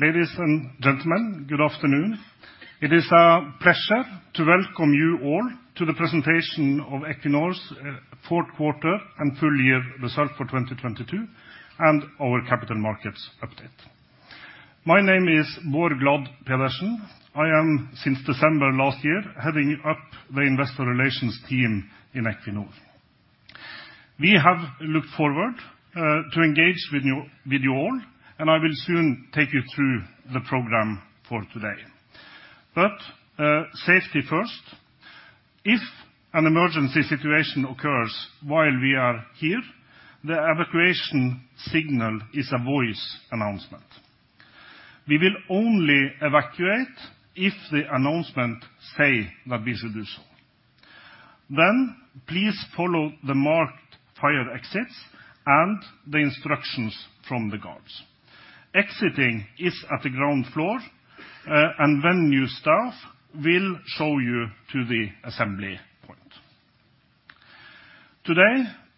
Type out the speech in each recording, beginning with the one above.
Ladies and gentlemen, good afternoon. It is a pleasure to welcome you all to the presentation of Equinor's fourth quarter and full year results for 2022 and our capital markets update. My name is Bård Glad Pedersen.Today,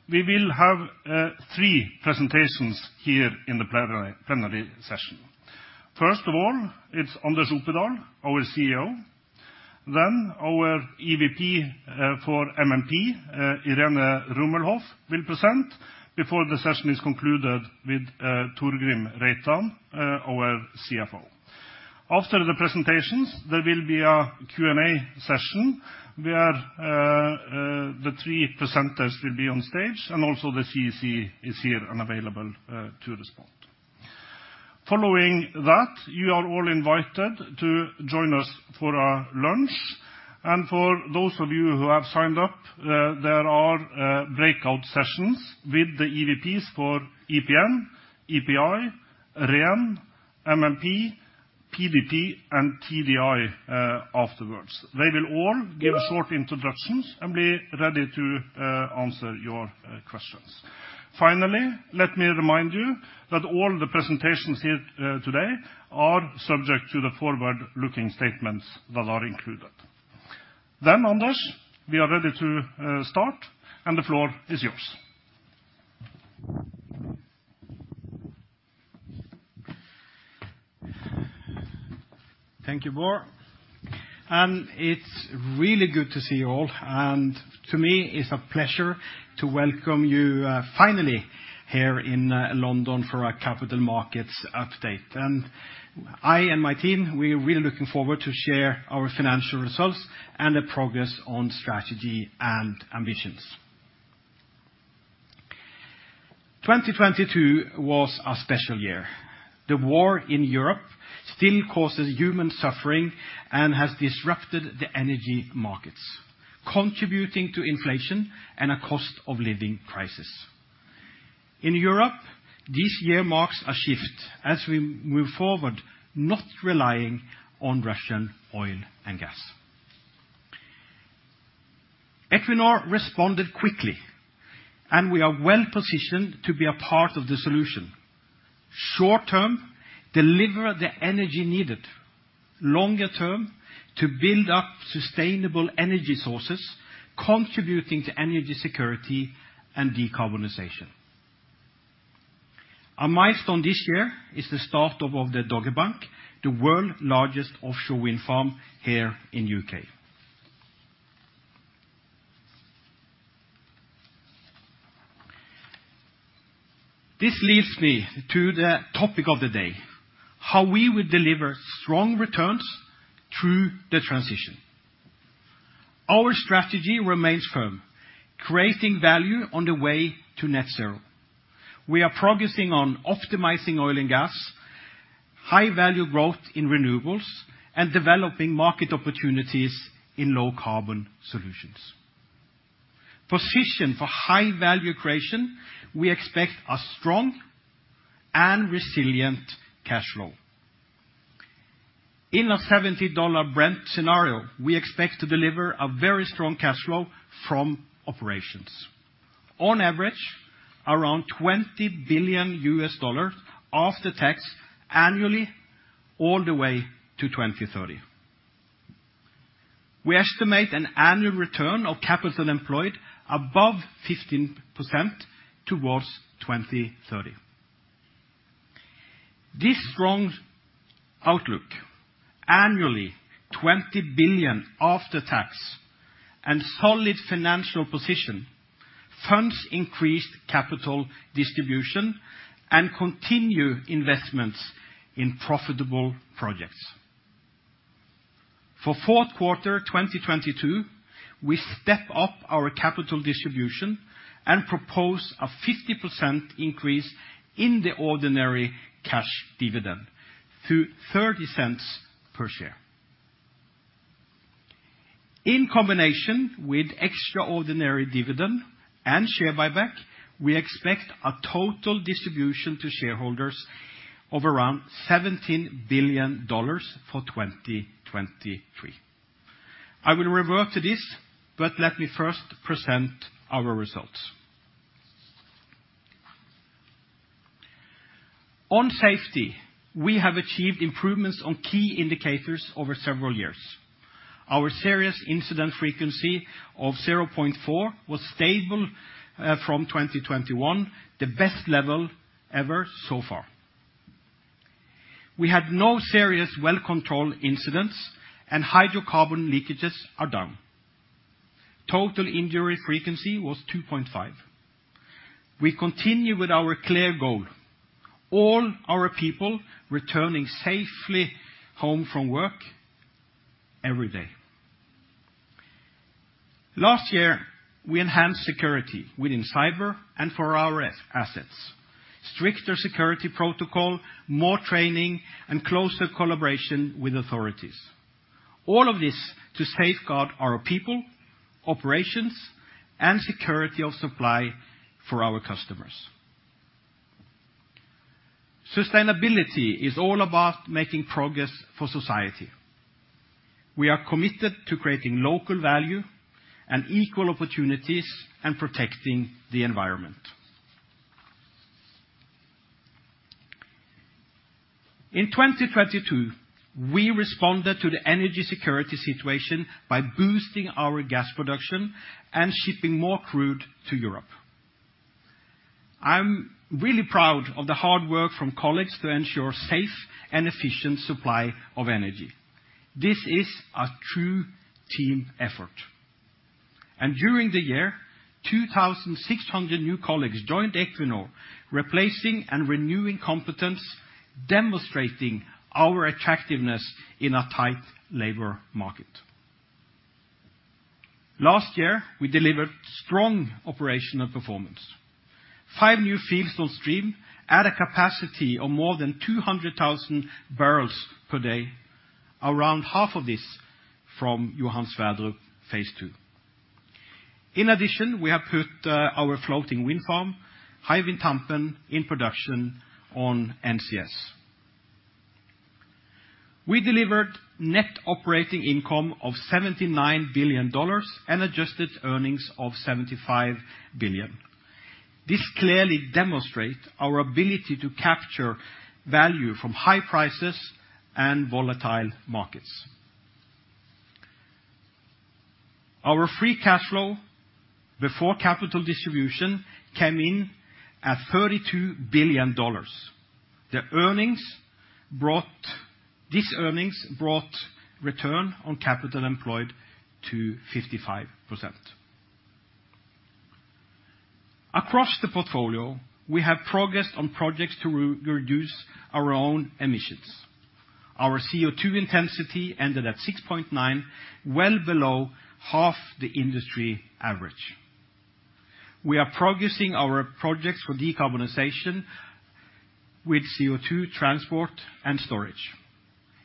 we will have three presentations here in the plenary session. First of all, it's Anders Opedal, our CEO, then our EVP for MMP, Irene Rummelhoff will present before the session is concluded with Torgrim Reitan, our CFO. After the presentations, there will be a Q&A session where the three presenters will be on stage, and also the CEC is here and available to respond. Following that, you are all invited to join us for our lunch. For those of you who have signed up, there are breakout sessions with the EVPs for EPN, EPI, REM, MMP, PDP and TDI afterwards. They will all give short introductions and be ready to answer your questions. Finally, let me remind you that all the presentations here today are subject to the forward-looking statements that are included. Anders, we are ready to start, and the floor is yours. Thank you, Bård. It's really good to see you all. To me, it's a pleasure to welcome you, finally here in London for our capital markets update. I and my team, we're really looking forward to share our financial results and the progress on strategy and ambitions. 2022 was a special year. The war in Europe still causes human suffering and has disrupted the energy markets, contributing to inflation and a cost of living crisis. In Europe, this year marks a shift as we move forward, not relying on Russian oil and gas. Equinor responded quickly, and we are well-positioned to be a part of the solution. Short-term, deliver the energy needed. Longer term, to build up sustainable energy sources, contributing to energy security and decarbonization. A milestone this year is the start-up of the Dogger Bank, the world's largest offshore wind farm here in U.K. This leads me to the topic of the day, how we will deliver strong returns through the transition. Our strategy remains firm, creating value on the way to net zero. We are progressing on optimizing oil and gas, high value growth in renewables, and developing market opportunities in low carbon solutions. Positioned for high value creation, we expect a strong and resilient cash flow. In a $70 Brent scenario, we expect to deliver a very strong cash flow from operations, on average around $20 billion after tax annually all the way to 2030. We estimate an annual return of capital employed above 15% towards 2030. This strong outlook, annually $20 billion after tax and solid financial position, funds increased capital distribution and continue investments in profitable projects. For fourth quarter 2022, we step up our capital distribution and propose a 50% increase in the ordinary cash dividend to $0.30 per share. In combination with extraordinary dividend and share buyback, we expect a total distribution to shareholders of around $17 billion for 2023. I will revert to this. Let me first present our results. On safety, we have achieved improvements on key indicators over several years. Our Serious Incident Frequency of 0.4 was stable from 2021, the best level ever so far. We had no serious well control incidents and hydrocarbon leakages are down. Total injury frequency was 2.5. We continue with our clear goal: all our people returning safely home from work every day. Last year, we enhanced security within cyber and for our assets. Stricter security protocol, more training, and closer collaboration with authorities. All of this to safeguard our people, operations, and security of supply for our customers. Sustainability is all about making progress for society. We are committed to creating local value and equal opportunities in protecting the environment. In 2022, we responded to the energy security situation by boosting our gas production and shipping more crude to Europe. I'm really proud of the hard work from colleagues to ensure safe and efficient supply of energy. This is a true team effort. During the year, 2,600 new colleagues joined Equinor, replacing and renewing competence, demonstrating our attractiveness in a tight labor market. Last year, we delivered strong operational performance. Five new fields on stream at a capacity of more than 200,000 barrels per day, around half of this from Johan Sverdrup Phase 2. In addition, we have put our floating wind farm, Hywind Tampen, in production on NCS. We delivered net operating income of $79 billion and adjusted earnings of $75 billion. This clearly demonstrate our ability to capture value from high prices and volatile markets. Our free cash flow before capital distribution came in at $32 billion. This earnings brought return on capital employed to 55%. Across the portfolio, we have progressed on projects to re-reduce our own emissions. Our CO2 intensity ended at 6.9, well below half the industry average. We are progressing our projects for decarbonization with CO2 transport and storage,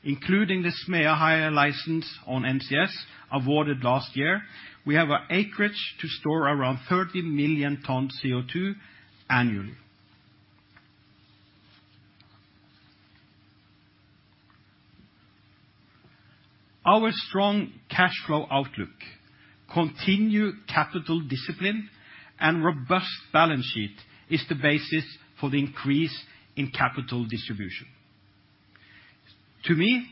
including the Smeaheia license on NCS awarded last year. We have an acreage to store around 30 million tons CO2 annually. Our strong cash flow outlook, continued capital discipline, and robust balance sheet is the basis for the increase in capital distribution. To me,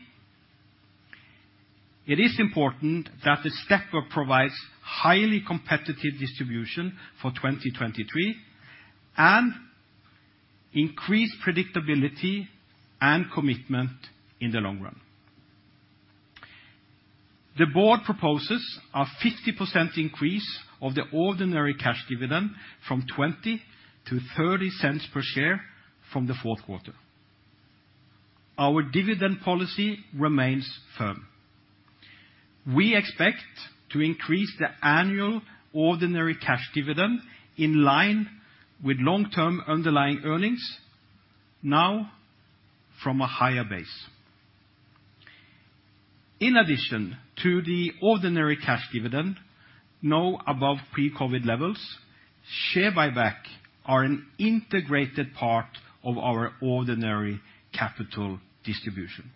it is important that the step-up provides highly competitive distribution for 2023 and increased predictability and commitment in the long run. The board proposes a 50% increase of the ordinary cash dividend from $0.20 to $0.30 per share from the fourth quarter. Our dividend policy remains firm. We expect to increase the annual ordinary cash dividend in line with long-term underlying earnings now from a higher base. In addition to the ordinary cash dividend, now above pre-COVID levels, share buyback are an integrated part of our ordinary capital distribution.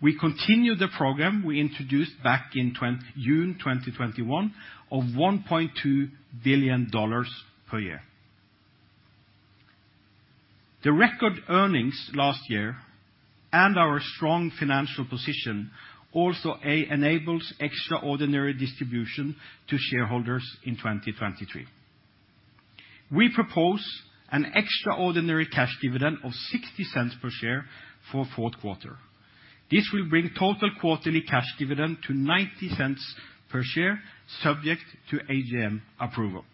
We continue the program we introduced back in June 2021 of $1.2 billion per year. The record earnings last year and our strong financial position also enables extraordinary distribution to shareholders in 2023. We propose an extraordinary cash dividend of $0.60 per share for fourth quarter. This will bring total quarterly cash dividend to $0.90 per share, subject to AGM approval.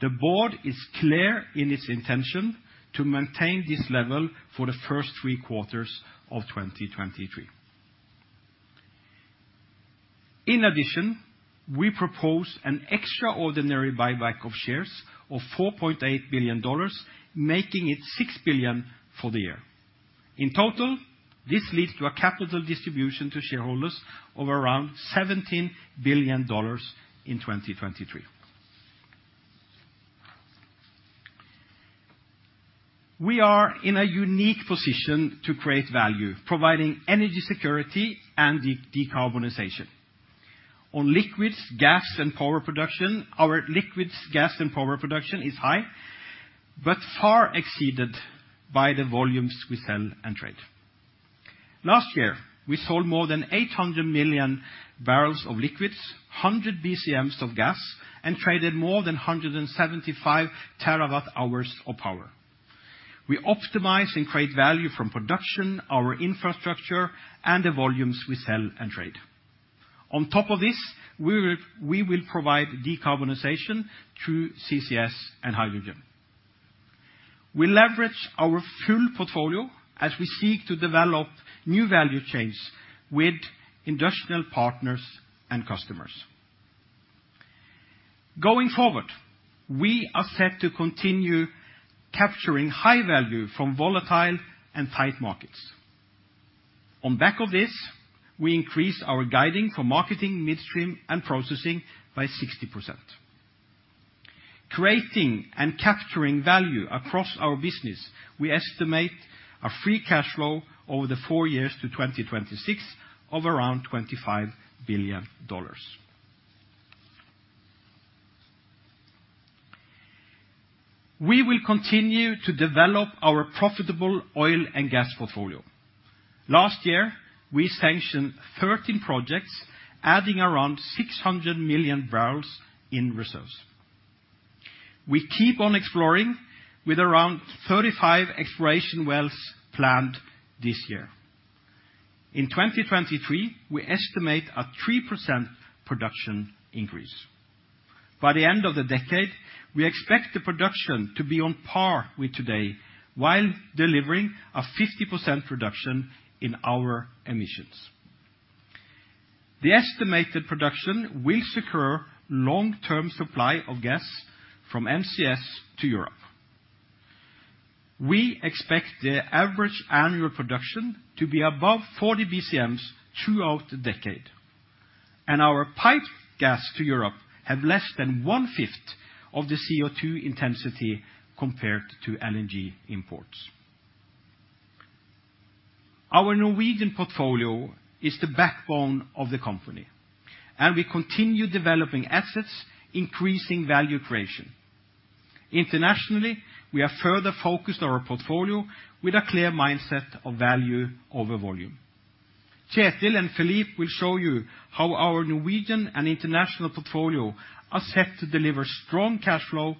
The board is clear in its intention to maintain this level for the first three quarters of 2023. We propose an extraordinary buyback of shares of $4.8 billion, making it $6 billion for the year. This leads to a capital distribution to shareholders of around $17 billion in 2023. We are in a unique position to create value, providing energy security and decarbonization. On liquids, gas, and power production, our liquids, gas, and power production is high, but far exceeded by the volumes we sell and trade. Last year, we sold more than 800 million barrels of liquids, 100 BCMs of gas, and traded more than 175 terawatt-hours of power. We optimize and create value from production, our infrastructure, and the volumes we sell and trade. On top of this, we will provide decarbonization through CCS and hydrogen. We leverage our full portfolio as we seek to develop new value chains with industrial partners and customers. Going forward, we are set to continue capturing high value from volatile and tight markets. On back of this, we increase our guiding for Marketing, Midstream, and Processing by 60%. Creating and capturing value across our business, we estimate a free cash flow over the 4 years to 2026 of around $25 billion. We will continue to develop our profitable oil and gas portfolio. Last year, we sanctioned 13 projects, adding around 600 million barrels in reserves. We keep on exploring with around 35 exploration wells planned this year. In 2023, we estimate a 3% production increase. By the end of the decade, we expect the production to be on par with today while delivering a 50% reduction in our emissions. The estimated production will secure long-term supply of gas from NCS to Europe. We expect the average annual production to be above 40 BCMs throughout the decade. Our piped gas to Europe have less than one-fifth of the CO2 intensity compared to LNG imports. Our Norwegian portfolio is the backbone of the company, and we continue developing assets, increasing value creation. Internationally, we are further focused on our portfolio with a clear mindset of value over volume. Kjetil and Philippe will show you how our Norwegian and international portfolio are set to deliver strong cash flow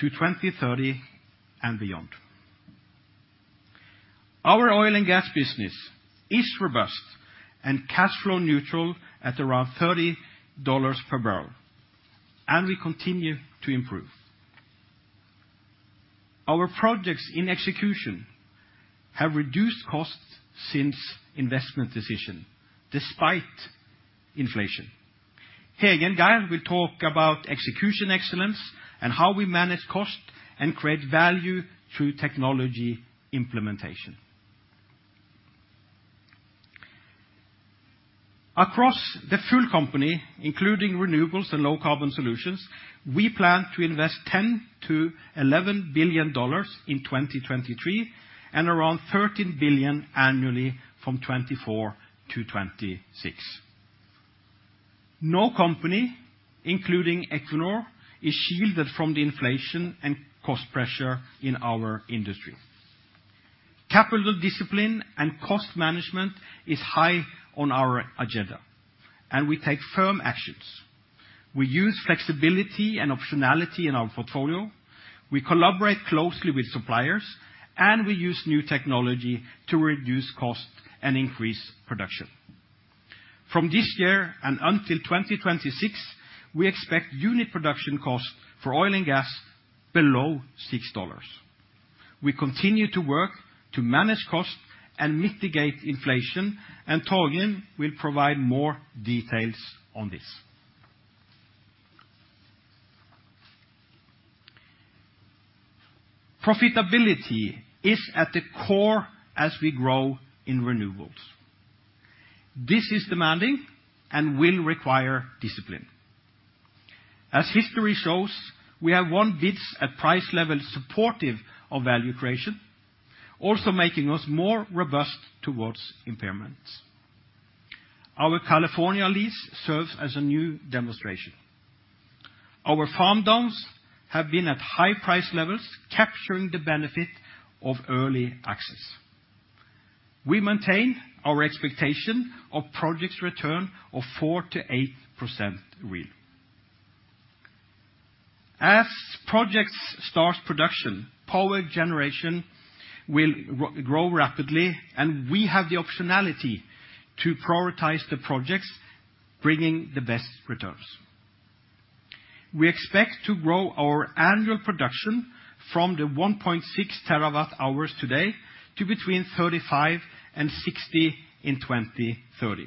to 2030 and beyond. Our oil and gas business is robust and cash flow neutral at around $30 per barrel, and we continue to improve. Our projects in execution have reduced costs since investment decision despite inflation. Hege and Geir will talk about execution excellence and how we manage cost and create value through technology implementation. Across the full company, including renewables and low-carbon solutions, we plan to invest $10 billion-$11 billion in 2023 and around $13 billion annually from 2024 to 2026. No company, including Equinor, is shielded from the inflation and cost pressure in our industry. Capital discipline and cost management is high on our agenda, and we take firm actions. We use flexibility and optionality in our portfolio. We collaborate closely with suppliers, and we use new technology to reduce cost and increase production. From this year and until 2026, we expect unit production cost for oil and gas below $6. We continue to work to manage cost and mitigate inflation, and Torgrim will provide more details on this. Profitability is at the core as we grow in renewables. This is demanding and will require discipline. As history shows, we have won bids at price levels supportive of value creation, also making us more robust towards impairments. Our California lease serves as a new demonstration. Our farm-downs have been at high price levels, capturing the benefit of early access. We maintain our expectation of projects return of 4%-8% real. As projects start production, power generation will grow rapidly, and we have the optionality to prioritize the projects, bringing the best returns. We expect to grow our annual production from the 1.6 TWh today to between 35 and 60 in 2030.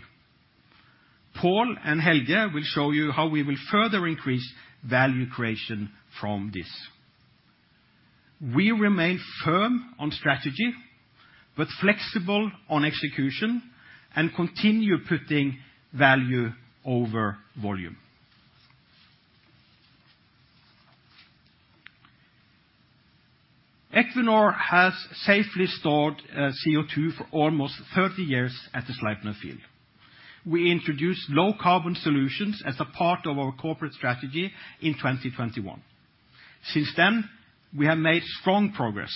Paul and Helge will show you how we will further increase value creation from this. We remain firm on strategy but flexible on execution and continue putting value over volume. Equinor has safely stored CO2 for almost 30 years at the Sleipner field. We introduced low carbon solutions as a part of our corporate strategy in 2021. Since then, we have made strong progress.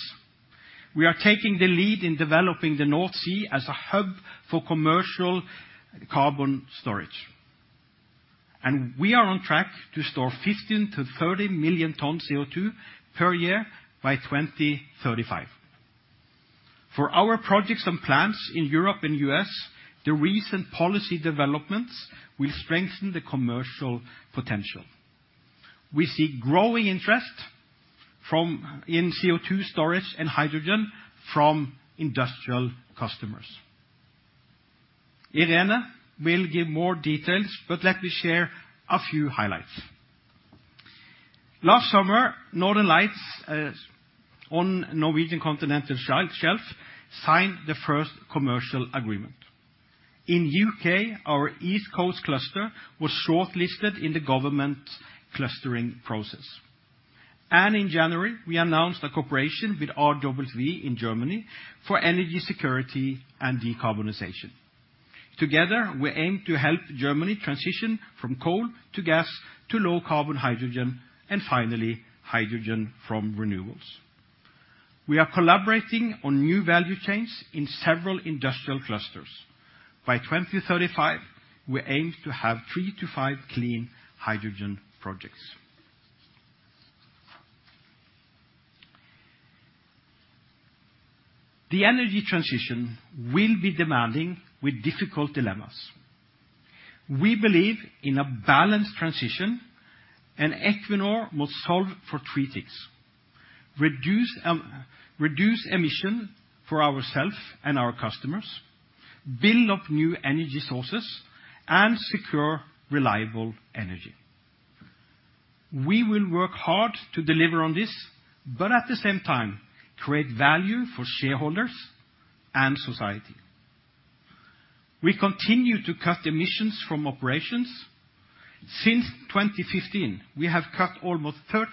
We are taking the lead in developing the North Sea as a hub for commercial carbon storage. We are on track to store 15 to 30 million tons CO2 per year by 2035. For our projects and plants in Europe and U.S., the recent policy developments will strengthen the commercial potential. We see growing interest from... in CO2 storage and hydrogen from industrial customers. Irene will give more details, but let me share a few highlights. Last summer, Northern Lights, on Norwegian Continental Shelf signed the first commercial agreement. In UK, our East Coast Cluster was shortlisted in the government clustering process. In January, we announced a cooperation with RWE in Germany for energy security and decarbonization. Together, we aim to help Germany transition from coal to gas to low carbon hydrogen, and finally hydrogen from renewables. We are collaborating on new value chains in several industrial clusters. By 2035, we aim to have 3 to 5 clean hydrogen projects. The energy transition will be demanding with difficult dilemmas. We believe in a balanced transition, and Equinor will solve for three things: reduce emission for ourself and our customers, build up new energy sources, and secure reliable energy. We will work hard to deliver on this, but at the same time, create value for shareholders and society. We continue to cut emissions from operations. Since 2015, we have cut almost 30%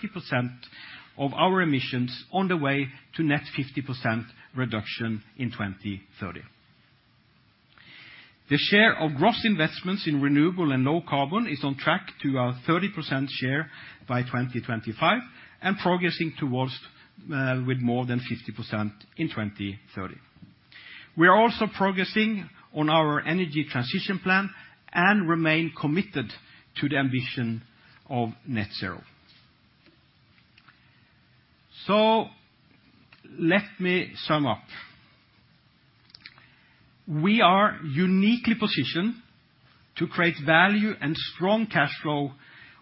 of our emissions on the way to net 50% reduction in 2030. The share of gross investments in renewable and low carbon is on track to our 30% share by 2025, and progressing towards with more than 50% in 2030. We are also progressing on our Energy Transition Plan and remain committed to the ambition of net zero. Let me sum up. We are uniquely positioned to create value and strong cash flow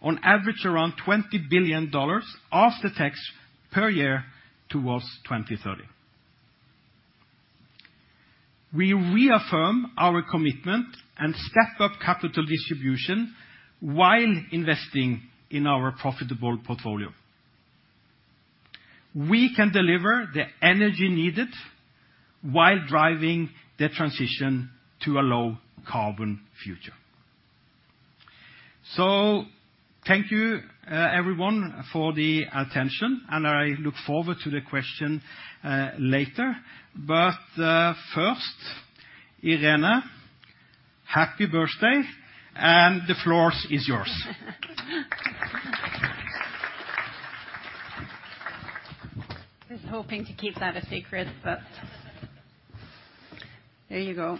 on average around $20 billion after tax per year towards 2030. We reaffirm our commitment and step up capital distribution while investing in our profitable portfolio. We can deliver the energy needed while driving the transition to a low carbon future. Thank you, everyone for the attention, and I look forward to the question later. First, Irene, happy birthday, and the floor is yours. I was hoping to keep that a secret, but there you go.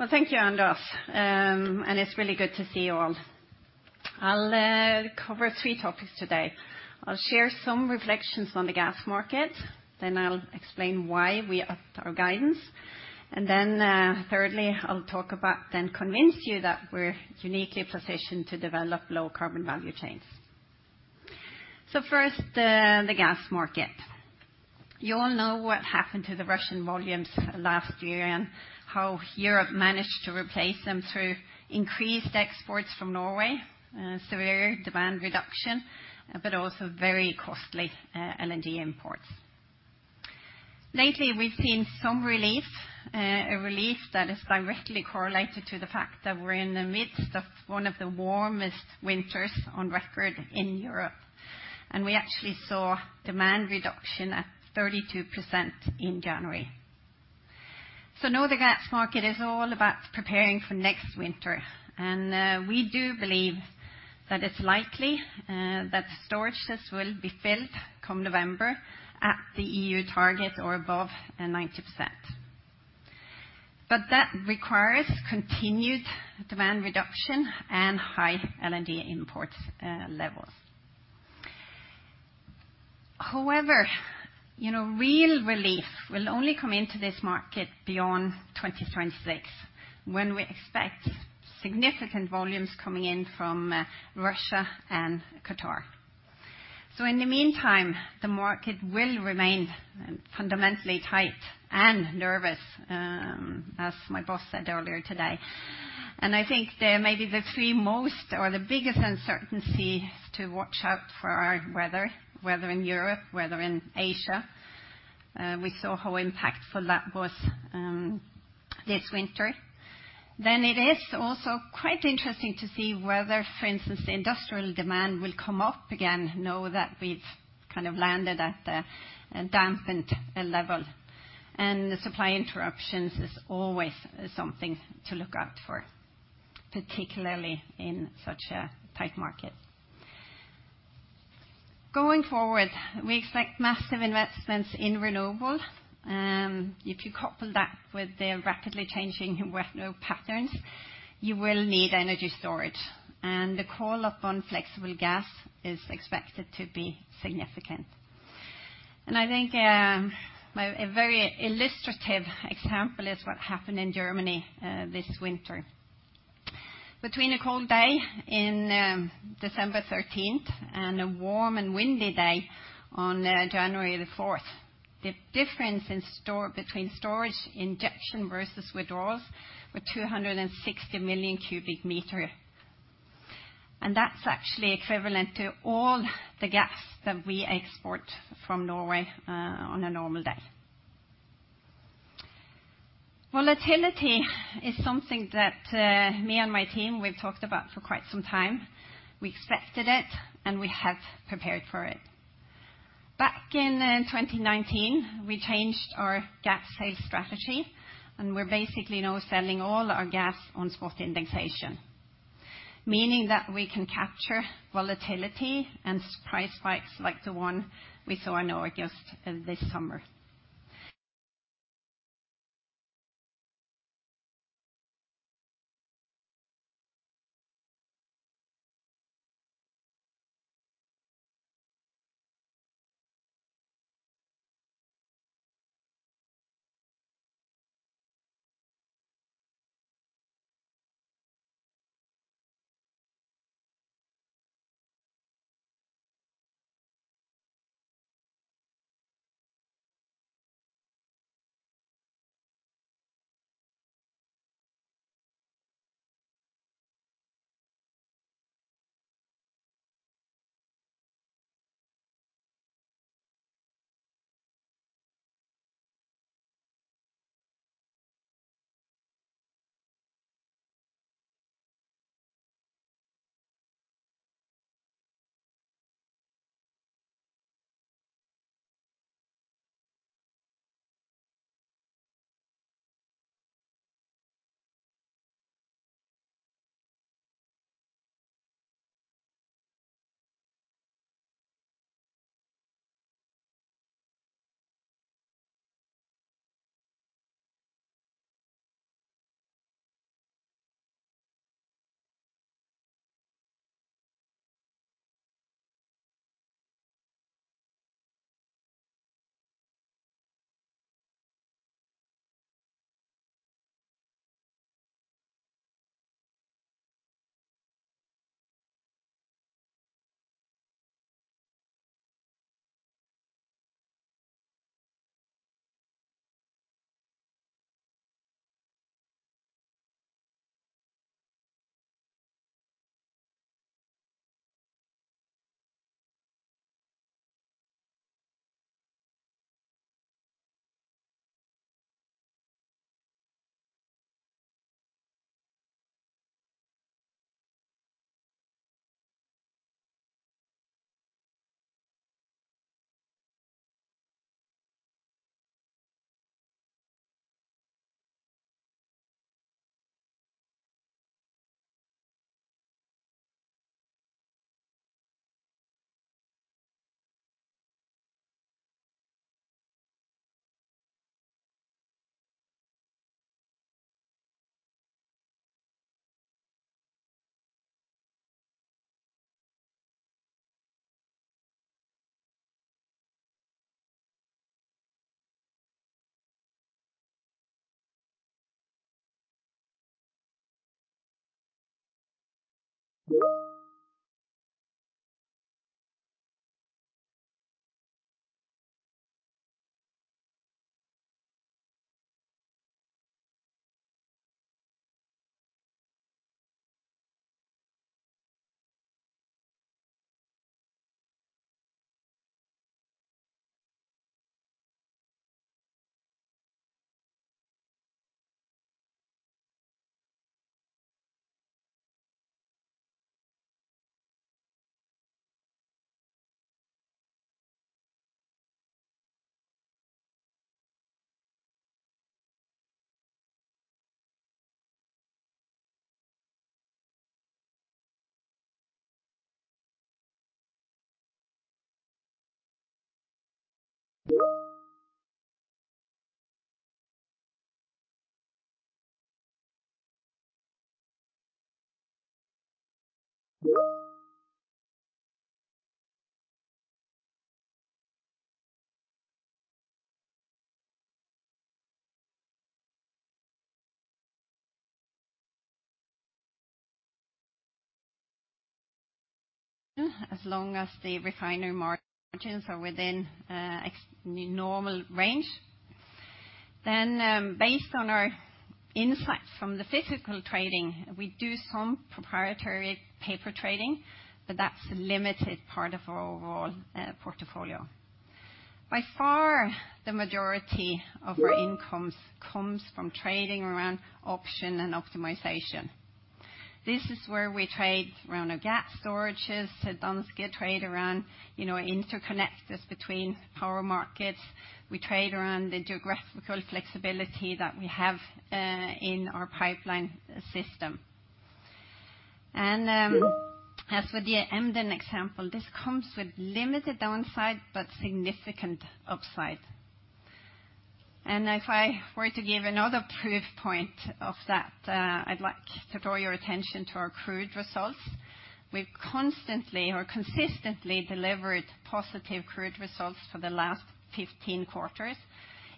Well, thank you, Anders. It's really good to see you all. I'll cover three topics today. I'll share some reflections on the gas market, then I'll explain why we upped our guidance. Thirdly, I'll talk about then convince you that we're uniquely positioned to develop low carbon value chains. First, the gas market. You all know what happened to the Russian volumes last year and how Europe managed to replace them through increased exports from Norway, severe demand reduction, but also very costly LNG imports. Lately, we've seen some relief, a relief that is directly correlated to the fact that we're in the midst of one of the warmest winters on record in Europe, and we actually saw demand reduction at 32% in January. Now the gas market is all about preparing for next winter, and we do believe that it's likely that storages will be filled come November at the EU target or above, 90%. That requires continued demand reduction and high LNG import levels. However, you know, real relief will only come into this market beyond 2026, when we expect significant volumes coming in from Russia and Qatar. In the meantime, the market will remain fundamentally tight and nervous, as my boss said earlier today. I think there may be the three most or the biggest uncertainty is to watch out for our weather in Europe, weather in Asia. We saw how impactful that was this winter. It is also quite interesting to see whether, for instance, industrial demand will come up again, now that we've kind of landed at a dampened level. The supply interruptions is always something to look out for, particularly in such a tight market. Going forward, we expect massive investments in renewable. If you couple that with the rapidly changing weather patterns, you will need energy storage, and the call upon flexible gas is expected to be significant. I think, a very illustrative example is what happened in Germany this winter. Between a cold day in December 13th and a warm and windy day on January 4th, the difference in between storage injection versus withdrawals were 260 million cubic meter. That's actually equivalent to all the gas that we export from Norway on a normal day. Volatility is something that me and my team, we've talked about for quite some time. We expected it. We have prepared for it. Back in 2019, we changed our gas sales strategy, and we're basically now selling all our gas on spot indexation. Meaning that we can capture volatility and price spikes like the one we saw in August this summer. As long as the refinery margins are within normal range. Based on our insights from the physical trading, we do some proprietary paper trading, but that's a limited part of our overall portfolio. By far, the majority of our incomes comes from trading around option and optimization. This is where we trade around our gas storages at Danske Commodities, trade around, you know, interconnectors between power markets. We trade around the geographical flexibility that we have in our pipeline system. As with the Emden example, this comes with limited downside but significant upside. If I were to give another proof point of that, I'd like to draw your attention to our crude results. We've constantly or consistently delivered positive crude results for the last 15 quarters,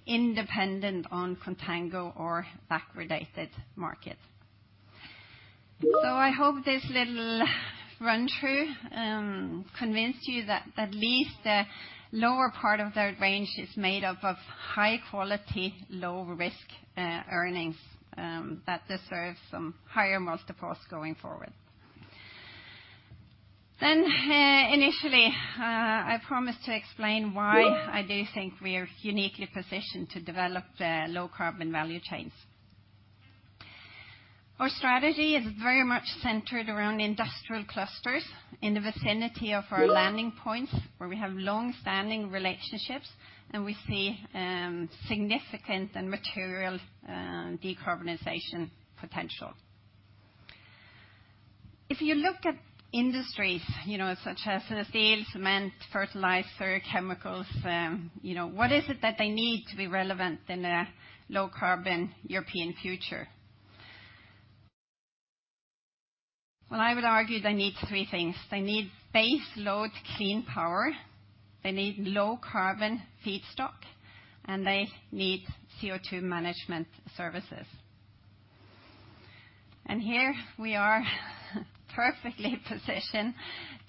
independent on contango or backwardated markets. I hope this little run-through convinced you that at least the lower part of that range is made up of high quality, low risk earnings that deserve some higher multiples going forward. Initially, I promised to explain why I do think we are uniquely positioned to develop the low carbon value chains. Our strategy is very much centered around industrial clusters in the vicinity of our landing points, where we have long-standing relationships, and we see significant and material decarbonization potential. If you look at industries, you know, such as the steel, cement, fertilizer, chemicals, you know, what is it that they need to be relevant in a low-carbon European future? Well, I would argue they need 3 things. They need base load clean power, they need low carbon feedstock, and they need CO2 management services. Here we are perfectly positioned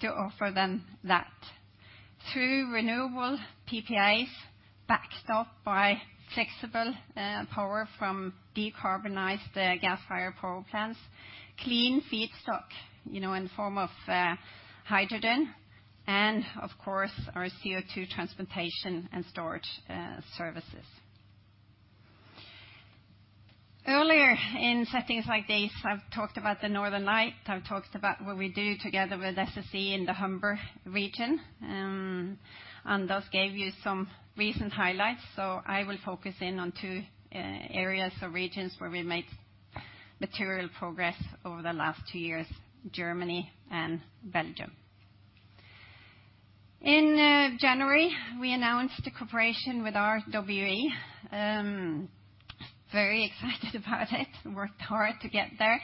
to offer them that through renewable PPAs backed up by flexible power from decarbonized gas-fired power plants, clean feedstock, you know, in the form of hydrogen, and of course our CO2 transportation and storage services. Earlier in settings like this, I've talked about the Northern Lights, I've talked about what we do together with SSE in the Humber region. Thus gave you some recent highlights. I will focus in on 2 areas or regions where we made material progress over the last 2 years, Germany and Belgium. In January, we announced a cooperation with RWE, very excited about it, worked hard to get there,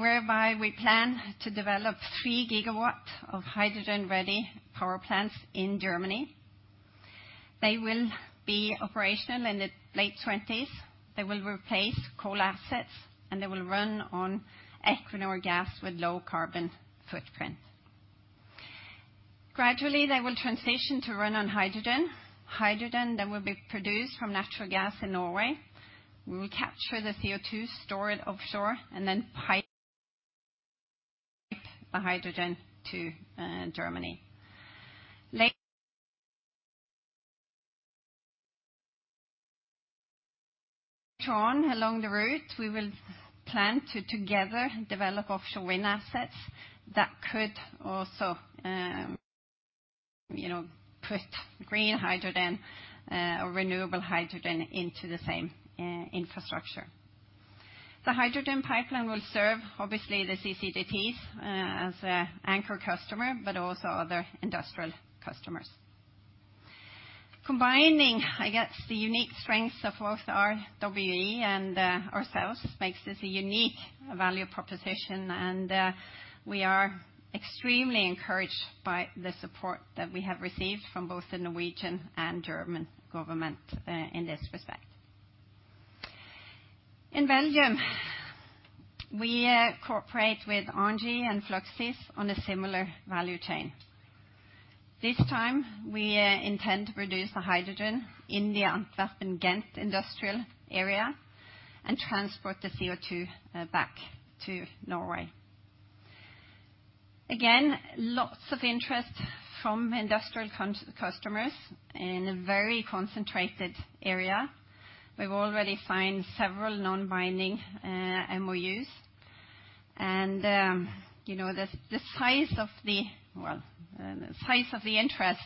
whereby we plan to develop 3 gigawatt of hydrogen-ready power plants in Germany. They will be operational in the late twenties. They will replace coal assets. They will run on Equinor gas with low carbon footprint. Gradually, they will transition to run on hydrogen that will be produced from natural gas in Norway. We will capture the CO2, store it offshore. Then pipe the hydrogen to Germany. Later on along the route, we will plan to together develop offshore wind assets that could also, you know, put green hydrogen, or renewable hydrogen into the same infrastructure. The hydrogen pipeline will serve obviously the CCGTs, as an anchor customer, but also other industrial customers. Combining, I guess, the unique strengths of both RWE and ourselves makes this a unique value proposition, and we are extremely encouraged by the support that we have received from both the Norwegian and German government, in this respect. In Belgium, we cooperate with ENGIE and Fluxys on a similar value chain. This time, we intend to produce the hydrogen in the Antwerp and Ghent industrial area and transport the CO2 back to Norway. Again, lots of interest from industrial customers in a very concentrated area. We've already signed several non-binding MOUs, and you know, the size of the, well, the size of the interest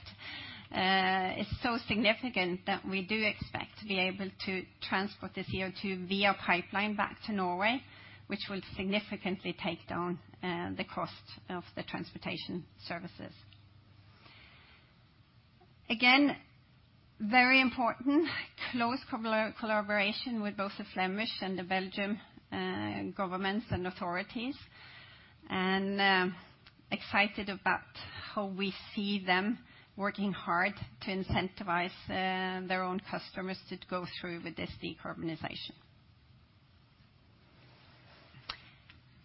is so significant that we do expect to be able to transport the CO2 via pipeline back to Norway, which will significantly take down the cost of the transportation services. Again, very important close collaboration with both the Flemish and the Belgium governments and authorities, and excited about how we see them working hard to incentivize their own customers to go through with this decarbonization.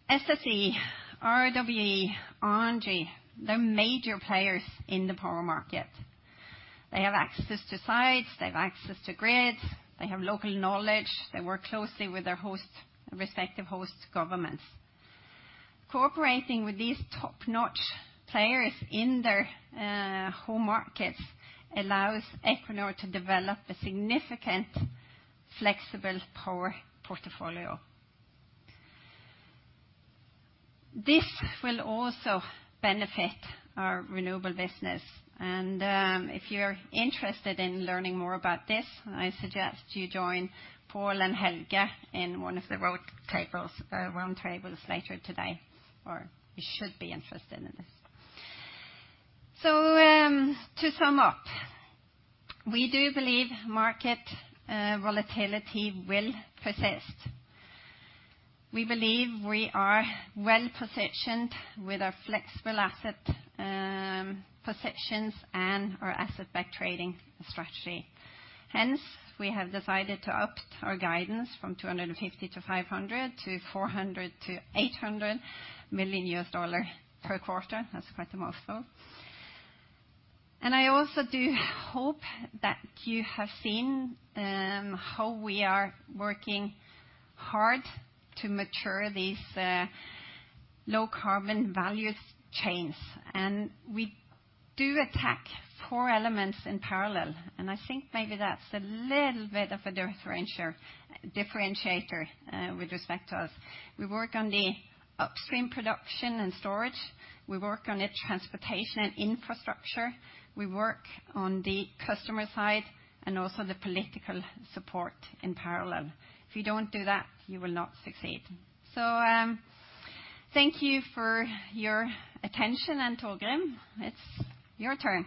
SSE, RWE, ENGIE, they're major players in the power market. They have access to sites, they have access to grids, they have local knowledge, they work closely with their host, respective host governments. Cooperating with these top-notch players in their home markets allows Equinor to develop a significant flexible power portfolio. This will also benefit our renewable business. If you're interested in learning more about this, I suggest you join Paul and Helge in one of the roundtables later today. You should be interested in this. To sum up, we do believe market volatility will persist. We believe we are well-positioned with our flexible asset positions and our asset-backed trading strategy. Hence, we have decided to up our guidance from $250 million-$500 million to $400 million-$800 million per quarter. That's quite a mouthful. I also do hope that you have seen how we are working hard to mature these low-carbon value chains. We do attack four elements in parallel, and I think maybe that's a little bit of a differentiator with respect to us. We work on the upstream production and storage. We work on the transportation and infrastructure. We work on the customer side, and also the political support in parallel. If you don't do that, you will not succeed. Thank you for your attention. Torgrim, it's your turn.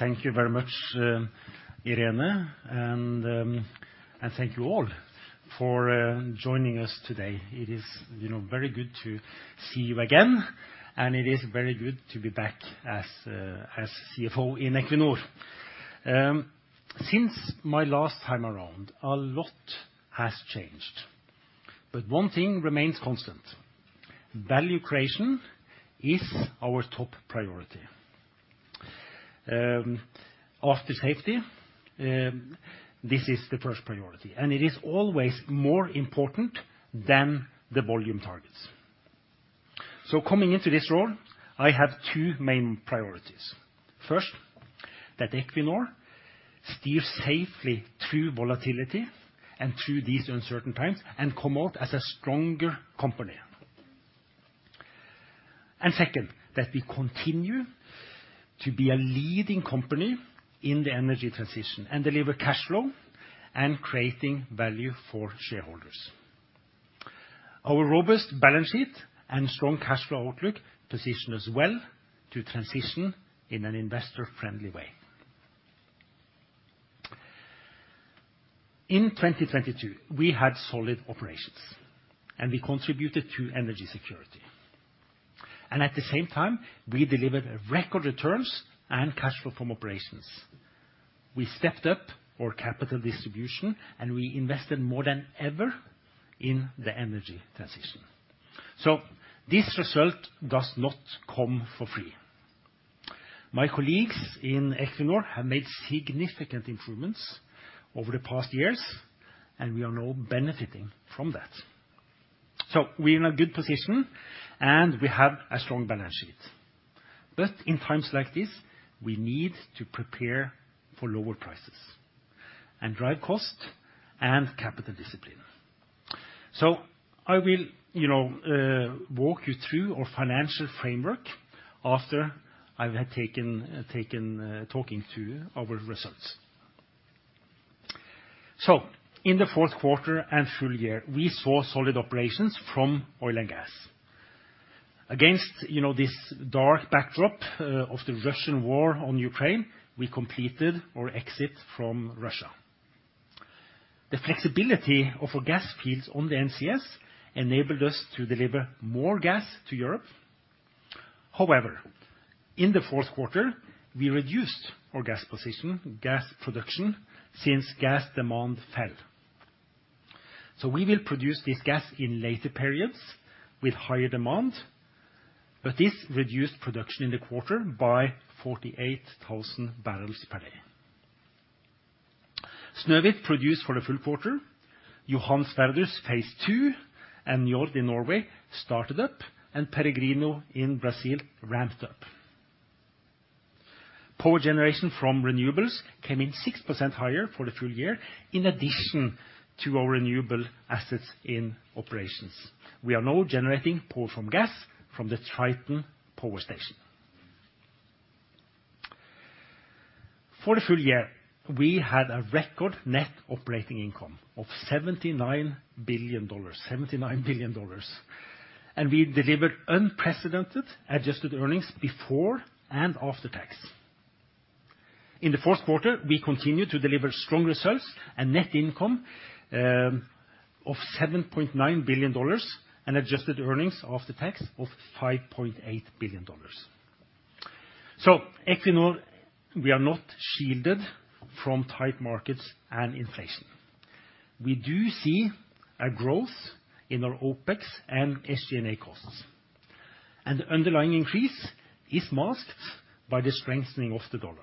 Thank you very much, Irene, and thank you all for joining us today. It is, you know, very good to see you again, and it is very good to be back as CFO in Equinor. Since my last time around, a lot has changed, but one thing remains constant. Value creation is our top priority. After safety, this is the first priority, and it is always more important than the volume targets. Coming into this role, I have two main priorities. First, that Equinor steers safely through volatility and through these uncertain times and come out as a stronger company. Second, that we continue to be a leading company in the energy transition and deliver cash flow and creating value for shareholders. Our robust balance sheet and strong cash flow outlook position us well to transition in an investor-friendly way. In 2022, we had solid operations, we contributed to energy security. At the same time, we delivered record returns and cash flow from operations. We stepped up our capital distribution, and we invested more than ever in the energy transition. This result does not come for free. My colleagues in Equinor have made significant improvements over the past years, and we are now benefiting from that. We're in a good position, and we have a strong balance sheet. In times like this, we need to prepare for lower prices and drive cost and capital discipline. I will, you know, walk you through our financial framework after I have taken talking to our results. In the fourth quarter and full year, we saw solid operations from oil and gas. Against, you know, this dark backdrop of the Russian war on Ukraine, we completed our exit from Russia. The flexibility of our gas feeds on the NCS enabled us to deliver more gas to Europe. However, in the fourth quarter, we reduced our gas position, gas production, since gas demand fell. We will produce this gas in later periods with higher demand, but this reduced production in the quarter by 48,000 barrels per day. Snohvit produced for the full quarter. Johan Sverdrup's Phase Two and Njord in Norway started up, and Peregrino in Brazil ramped up. Power generation from renewables came in 6% higher for the full year. In addition to our renewable assets in operations, we are now generating power from gas from the Triton power station. For the full year, we had a record net operating income of $79 billion. $79 billion. We delivered unprecedented adjusted earnings before and after tax. In the fourth quarter, we continued to deliver strong results and net income of $7.9 billion and adjusted earnings after tax of $5.8 billion. Equinor, we are not shielded from tight markets and inflation. We do see a growth in our OpEx and SG&A costs, and the underlying increase is masked by the strengthening of the dollar.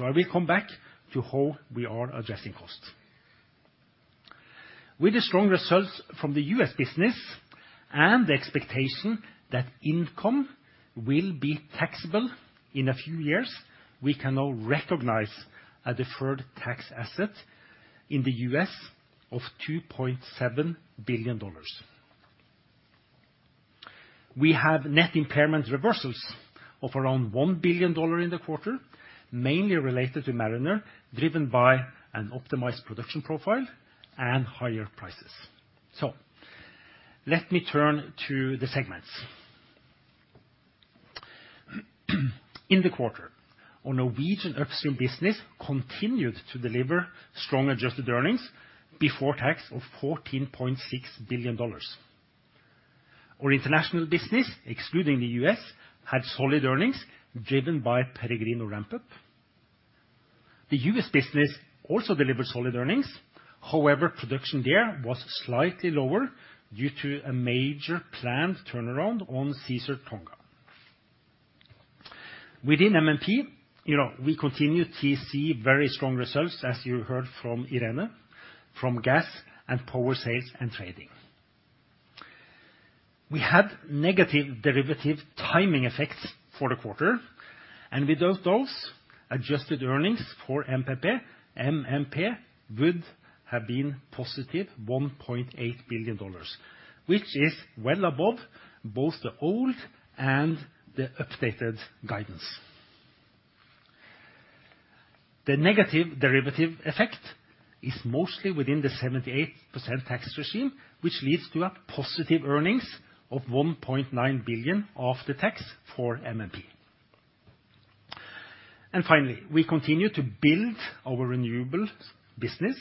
I will come back to how we are addressing costs. With the strong results from the US business and the expectation that income will be taxable in a few years, we can now recognize a deferred tax asset in the US of $2.7 billion. We have net impairment reversals of around $1 billion in the quarter, mainly related to Mariner, driven by an optimized production profile and higher prices. Let me turn to the segments. In the quarter, our Norwegian Upstream business continued to deliver strong adjusted earnings before tax of $14.6 billion. Our international business, excluding the U.S., had solid earnings, driven by Peregrino ramp-up. The U.S. business also delivered solid earnings. However, production there was slightly lower due to a major planned turnaround on Caesar-Tonga. Within MMP, you know, we continue to see very strong results, as you heard from Irene, from gas and power sales and trading. We had negative derivative timing effects for the quarter, and without those, adjusted earnings for MMP would have been positive $1.8 billion, which is well above both the old and the updated guidance. The negative derivative effect is mostly within the 78% tax regime, which leads to a positive earnings of $1.9 billion of the tax for MMP. Finally, we continue to build our renewables business,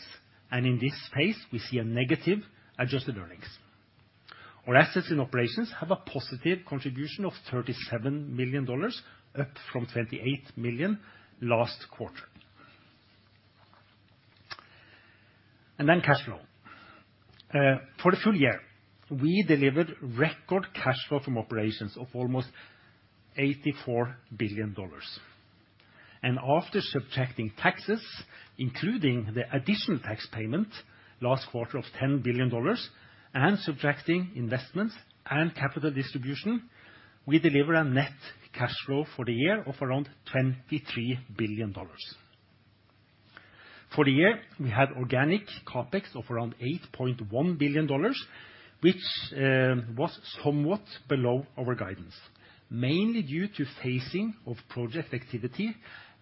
and in this space, we see a negative adjusted earnings. Our assets and operations have a positive contribution of $37 million, up from $28 million last quarter. Then cash flow. For the full year, we delivered record cash flow from operations of almost $84 billion. After subtracting taxes, including the additional tax payment last quarter of $10 billion and subtracting investments and capital distribution, we deliver a net cash flow for the year of around $23 billion. For the year, we had organic CapEx of around $8.1 billion, which was somewhat below our guidance, mainly due to phasing of project activity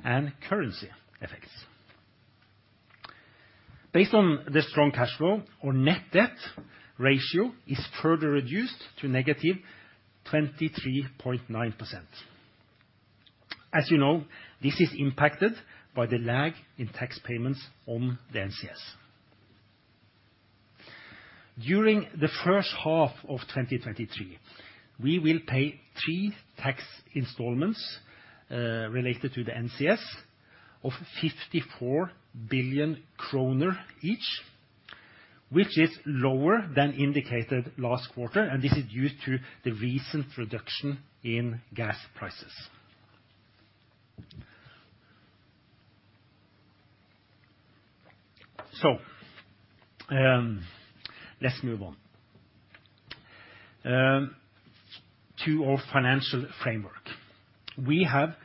and currency effects. Based on the strong cash flow, our net debt ratio is further reduced to -23.9%. As you know, this is impacted by the lag in tax payments on the NCS. During the first half of 2023, we will pay 3 tax installments related to the NCS of 54 billion kroner each, which is lower than indicated last quarter. This is due to the recent reduction in gas prices. Let's move on to our financial framework. We have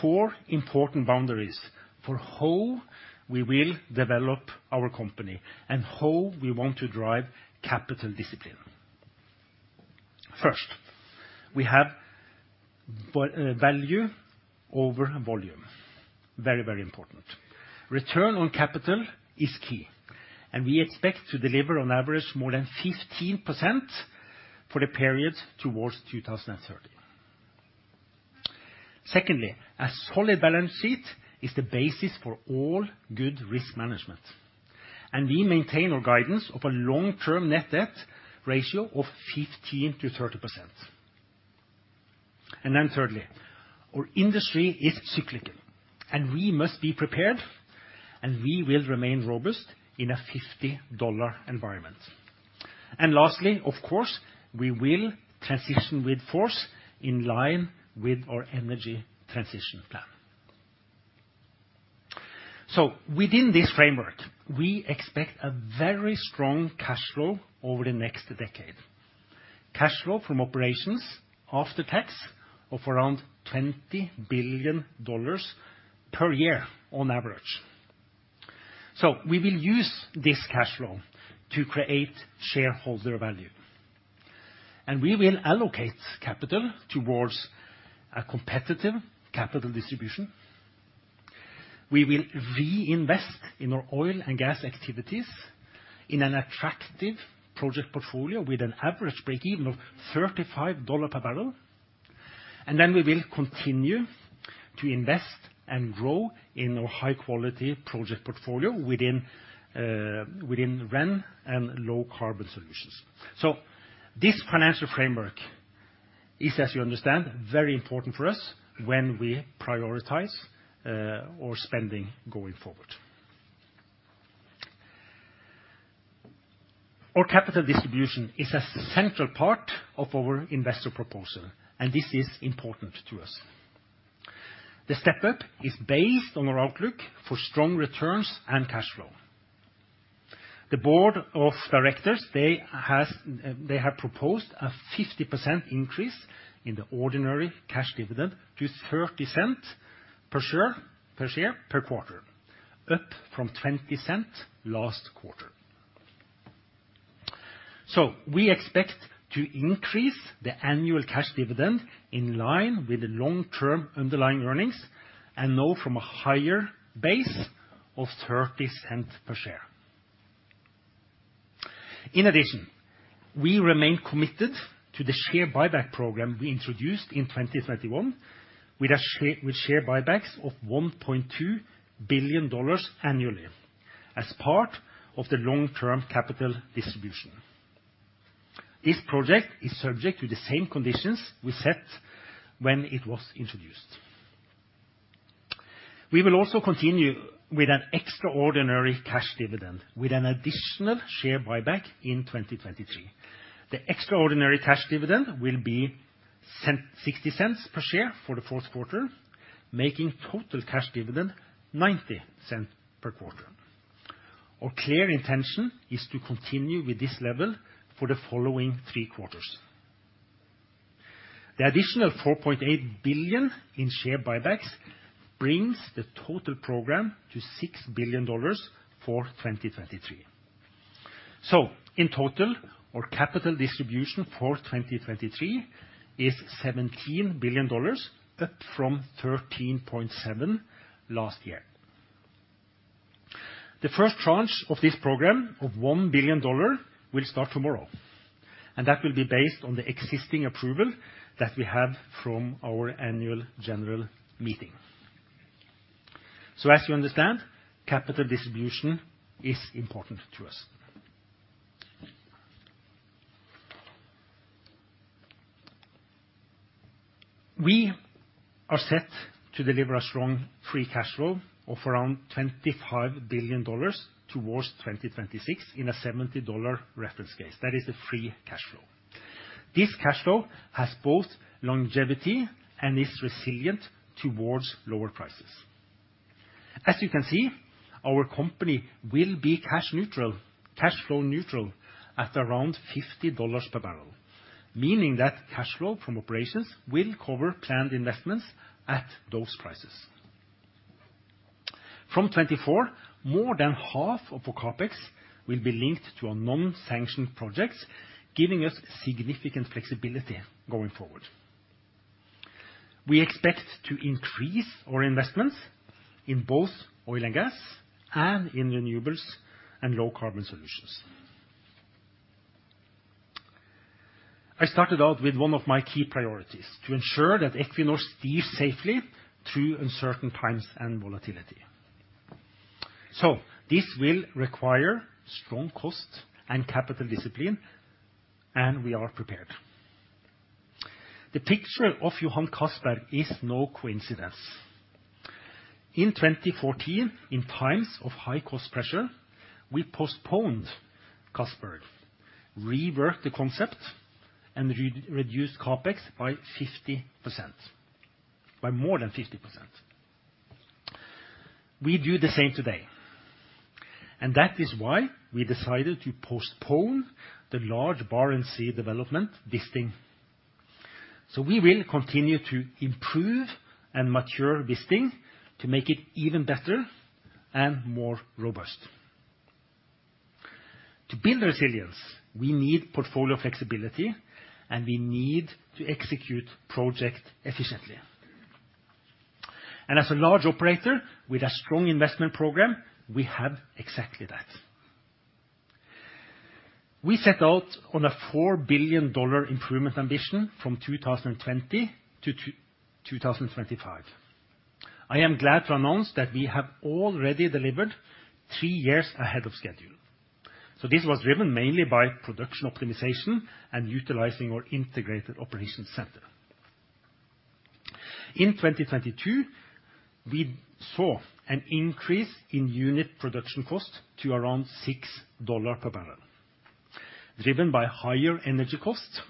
4 important boundaries for how we will develop our company and how we want to drive capital discipline. First, we have value over volume. Very important. Return on capital is key. We expect to deliver on average more than 15% for the period towards 2030. Secondly, a solid balance sheet is the basis for all good risk management. We maintain our guidance of a long-term net debt ratio of 15%-30%. Then thirdly, our industry is cyclical. We must be prepared. We will remain robust in a $50 environment. Lastly, of course, we will transition with force in line with our Energy Transition Plan. Within this framework, we expect a very strong cash flow over the next decade. Cash flow from operations after tax of around $20 billion per year on average. We will use this cash flow to create shareholder value. We will allocate capital towards a competitive capital distribution. We will reinvest in our oil and gas activities in an attractive project portfolio with an average break-even of $35 per barrel. We will continue to invest and grow in our high-quality project portfolio within wind and low-carbon solutions. This financial framework is, as you understand, very important for us when we prioritize our spending going forward. Our capital distribution is a central part of our investor proposal. This is important to us. The step-up is based on our outlook for strong returns and cash flow. The board of directors, they have proposed a 50% increase in the ordinary cash dividend to $0.30 per share per quarter, up from $0.20 last quarter. We expect to increase the annual cash dividend in line with the long-term underlying earnings and now from a higher base of $0.30 per share. In addition, we remain committed to the share buyback program we introduced in 2021 with share buybacks of $1.2 billion annually as part of the long-term capital distribution. This project is subject to the same conditions we set when it was introduced. We will also continue with an extraordinary cash dividend with an additional share buyback in 2023. The extraordinary cash dividend will be $0.60 per share for the fourth quarter, making total cash dividend $0.90 per quarter. Our clear intention is to continue with this level for the following 3 quarters. The additional $4.8 billion in share buybacks brings the total program to $6 billion for 2023. In total, our capital distribution for 2023 is $17 billion, up from $13.7 last year. The first tranche of this program of $1 billion will start tomorrow, and that will be based on the existing approval that we have from our annual general meeting. As you understand, capital distribution is important to us. We are set to deliver a strong free cash flow of around $25 billion towards 2026 in a $70 reference case. That is the free cash flow. This cash flow has both longevity and is resilient towards lower prices. As you can see, our company will be cash neutral, cash flow neutral at around $50 per barrel, meaning that cash flow from operations will cover planned investments at those prices. From 2024, more than half of our CapEx will be linked to our non-sanctioned projects, giving us significant flexibility going forward. We expect to increase our investments in both oil and gas and in renewables and low-carbon solutions. I started out with one of my key priorities, to ensure that Equinor steers safely through uncertain times and volatility. This will require strong cost and capital discipline, and we are prepared. The picture of Johan Castberg is no coincidence. In 2014, in times of high cost pressure, we postponed Castberg, reworked the concept, and re-reduced CapEx by more than 50%. We do the same today, and that is why we decided to postpone the large Barents Sea development Wisting. We will continue to improve and mature Wisting to make it even better and more robust. To build resilience, we need portfolio flexibility, and we need to execute project efficiently. As a large operator with a strong investment program, we have exactly that. We set out on a $4 billion improvement ambition from 2020 to 2025. I am glad to announce that we have already delivered three years ahead of schedule. This was driven mainly by production optimization and utilizing our integrated operation center. In 2022, we saw an increase in unit production cost to around $6 per barrel, driven by higher energy costs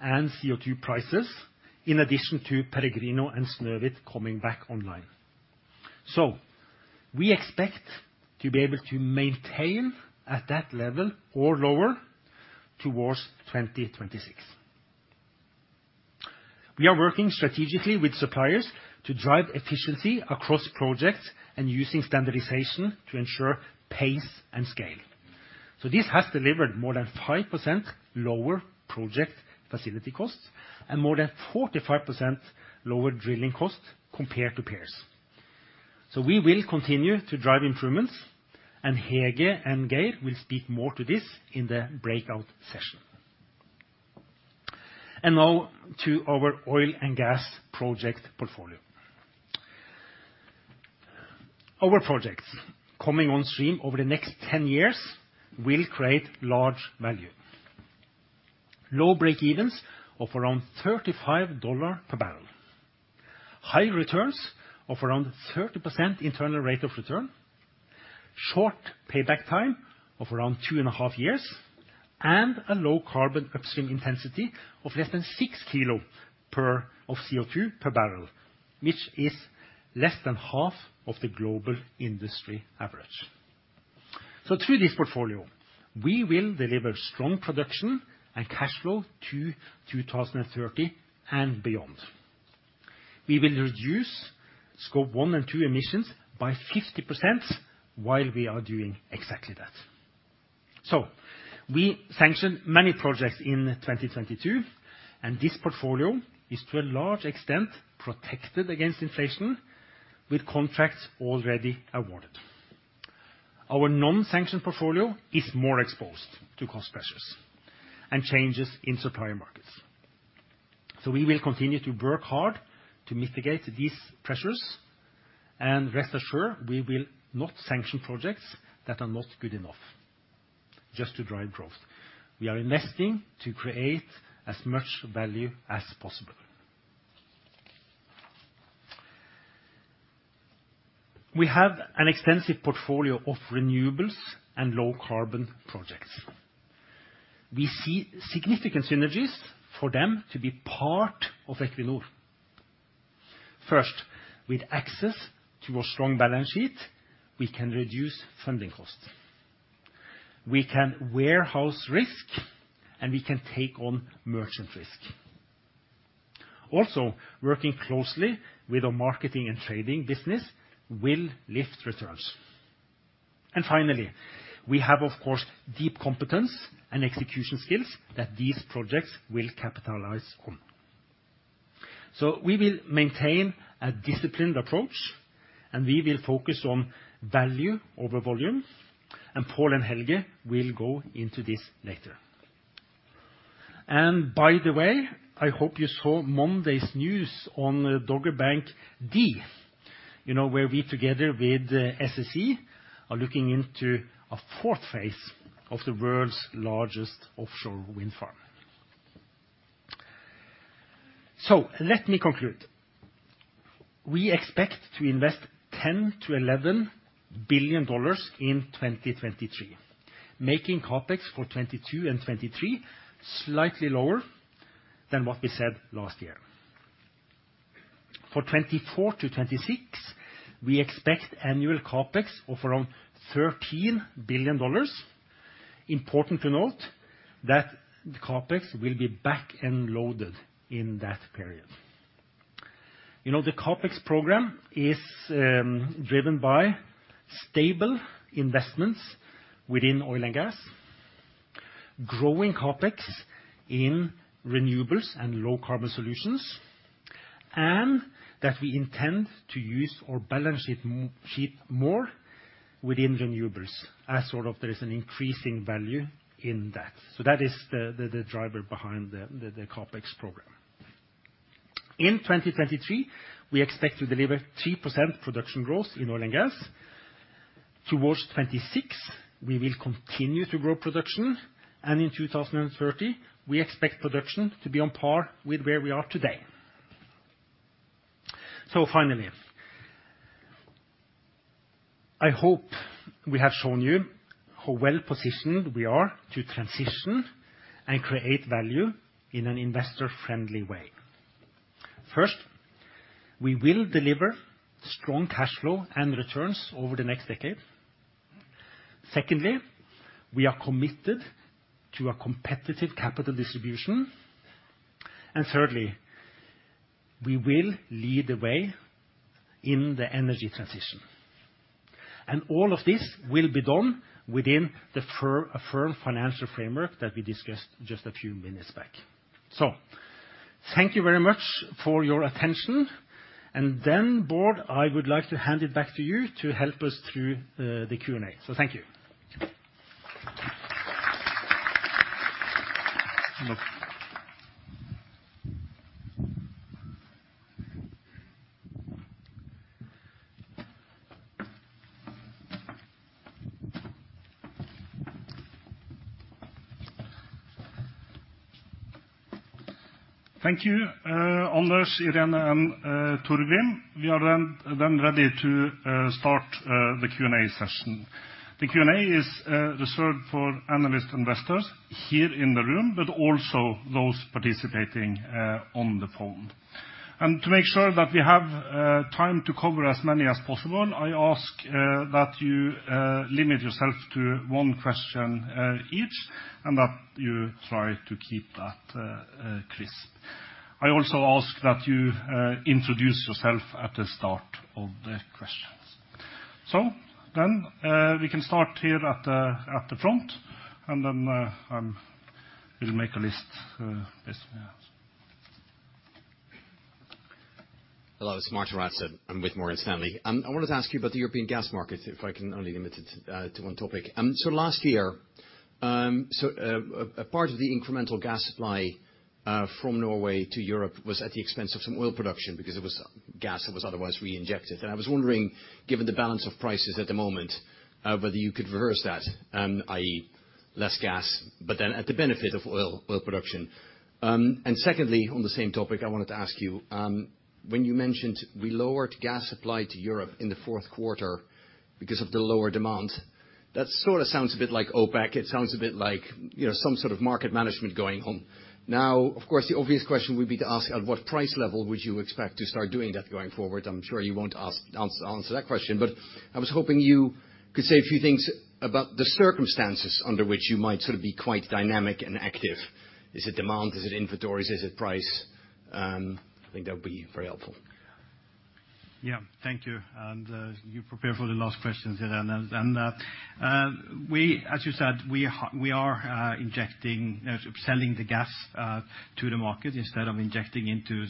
and CO2 prices, in addition to Peregrino and Snøhvit coming back online. We expect to be able to maintain at that level or lower towards 2026. We are working strategically with suppliers to drive efficiency across projects and using standardization to ensure pace and scale. This has delivered more than 5% lower project facility costs and more than 45% lower drilling costs compared to peers. We will continue to drive improvements, and Hege and Geir will speak more to this in the breakout session. Now to our oil and gas project portfolio. Our projects coming on stream over the next 10 years will create large value. Low break-evens of around $35 per barrel. High returns of around 30% internal rate of return. Short payback time of around 2.5 years. A low carbon upstream intensity of less than 6 kilo of CO2 per barrel, which is less than half of the global industry average. Through this portfolio, we will deliver strong production and cash flow to 2030 and beyond. We will reduce Scope 1 and 2 emissions by 50% while we are doing exactly that. We sanctioned many projects in 2022, and this portfolio is, to a large extent, protected against inflation, with contracts already awarded. Our nonsanctioned portfolio is more exposed to cost pressures and changes in supplier markets. We will continue to work hard to mitigate these pressures, and rest assured, we will not sanction projects that are not good enough just to drive growth. We are investing to create as much value as possible. We have an extensive portfolio of renewables and low-carbon projects. We see significant synergies for them to be part of Equinor. First, with access to a strong balance sheet, we can reduce funding costs. We can warehouse risk, and we can take on merchant risk. Also, working closely with our marketing and trading business will lift returns. Finally, we have, of course, deep competence and execution skills that these projects will capitalize on. We will maintain a disciplined approach, and we will focus on value over volume, and Pål and Helge will go into this later. I hope you saw Monday's news on Dogger Bank C, you know, where we, together with SSE, are looking into a fourth phase of the world's largest offshore wind farm. Let me conclude. We expect to invest $10 billion-$11 billion in 2023, making capex for 2022 and 2023 slightly lower than what we said last year. For 2024 to 2026, we expect annual capex of around $13 billion. Important to note that the CapEx will be back-end loaded in that period. You know, the CapEx program is driven by stable investments within oil and gas, growing CapEx in renewables and low-carbon solutions, and that we intend to use our balance sheet more within renewables as sort of there is an increasing value in that. That is the driver behind the CapEx program. In 2023, we expect to deliver 3% production growth in oil and gas. Towards 2026, we will continue to grow production. In 2030, we expect production to be on par with where we are today. Finally, I hope we have shown you how well-positioned we are to transition and create value in an investor-friendly way. First, we will deliver strong cash flow and returns over the next decade. Secondly, we are committed to a competitive capital distribution. Thirdly, we will lead the way in the energy transition. All of this will be done within the firm financial framework that we discussed just a few minutes back. Thank you very much for your attention. Bård, I would like to hand it back to you to help us through the Q&A. Thank you. Thank you, Anders, Irene, and Torgrim. We are then ready to start the Q&A session. The Q&A is reserved for analyst investors here in the room, but also those participating on the phone. To make sure that we have time to cover as many as possible, I ask that you limit yourself to one question each and that you try to keep that crisp. I also ask that you introduce yourself at the start of the questions. We can start here at the front, and then we'll make a list. Yes. Hello, it's Martijn Rats. I'm with Morgan Stanley. I wanted to ask you about the European gas market, if I can only limit it to one topic. Last year, a part of the incremental gas supply from Norway to Europe was at the expense of some oil production because it was gas that was otherwise reinjected. I was wondering, given the balance of prices at the moment, whether you could reverse that, i.e., less gas, but then at the benefit of oil production. Secondly, on the same topic, I wanted to ask you, when you mentioned we lowered gas supply to Europe in the fourth quarter because of the lower demand, that sort of sounds a bit like OPEC. It sounds a bit like, you know, some sort of market management going on. Of course, the obvious question would be to ask at what price level would you expect to start doing that going forward? I'm sure you won't answer that question, but I was hoping you could say a few things about the circumstances under which you might sort of be quite dynamic and active. Is it demand? Is it inventories? Is it price? I think that would be very helpful. Yeah. Thank you. You prepare for the last questions then. We, as you said, we are injecting, selling the gas to the market instead of injecting into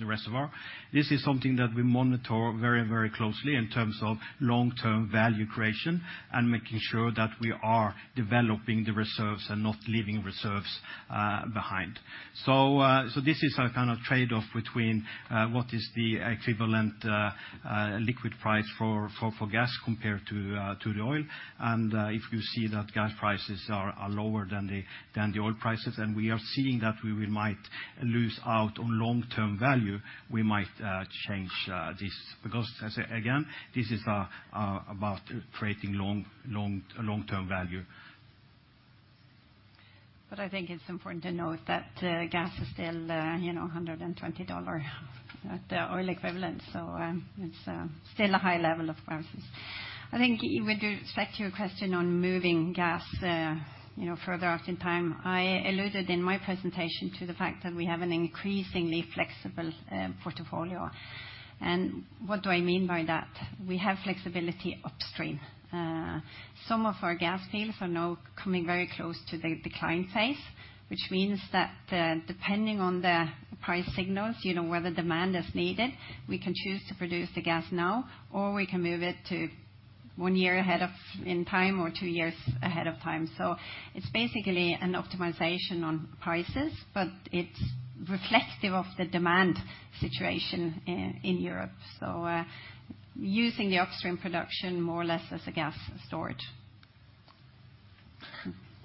the reservoir. This is something that we monitor very, very closely in terms of long-term value creation and making sure that we are developing the reserves and not leaving reserves behind. This is a kind of trade-off between what is the equivalent liquid price for gas compared to the oil. If you see that gas prices are lower than the oil prices, and we are seeing that we might lose out on long-term value, we might change this. Because as, again, this is about creating long-term value. I think it's important to note that gas is still, you know, $120 at the oil equivalent. It's still a high level of prices. I think with respect to your question on moving gas, you know, further out in time, I alluded in my presentation to the fact that we have an increasingly flexible portfolio. What do I mean by that? We have flexibility upstream. Some of our gas fields are now coming very close to the decline phase, which means that, depending on the price signals, you know, where the demand is needed, we can choose to produce the gas now, or we can move it to 1 year ahead of in time or 2 years ahead of time. It's basically an optimization on prices, but it's reflective of the demand situation in Europe. Using the upstream production more or less as a gas storage.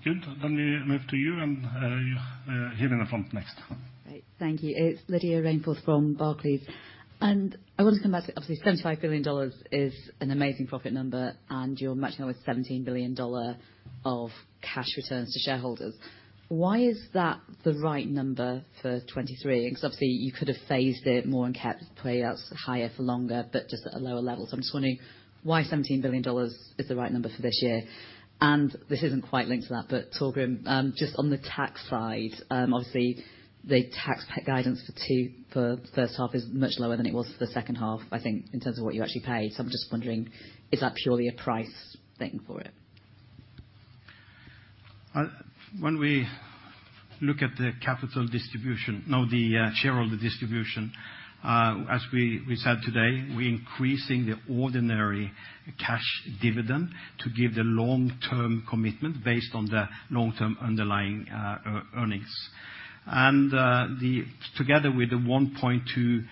Good. We move to you and you here in the front next. Great. Thank you. It's Lydia Rainforth from Barclays. I want to come back to obviously $75 billion is an amazing profit number, and you're matching that with $17 billion dollar of cash returns to shareholders. Why is that the right number for 2023? Obviously you could have phased it more and kept payouts higher for longer, but just at a lower level. I'm just wondering why $17 billion is the right number for this year. This isn't quite linked to that, but Torgrim, just on the tax side, obviously the tax guidance for the first half is much lower than it was for the second half, I think, in terms of what you actually paid. I'm just wondering, is that purely a price thing for it? When we look at the capital distribution... shareholder distribution, as we said today, we increasing the ordinary cash dividend to give the long-term commitment based on the long-term underlying earnings. Together with the $1.2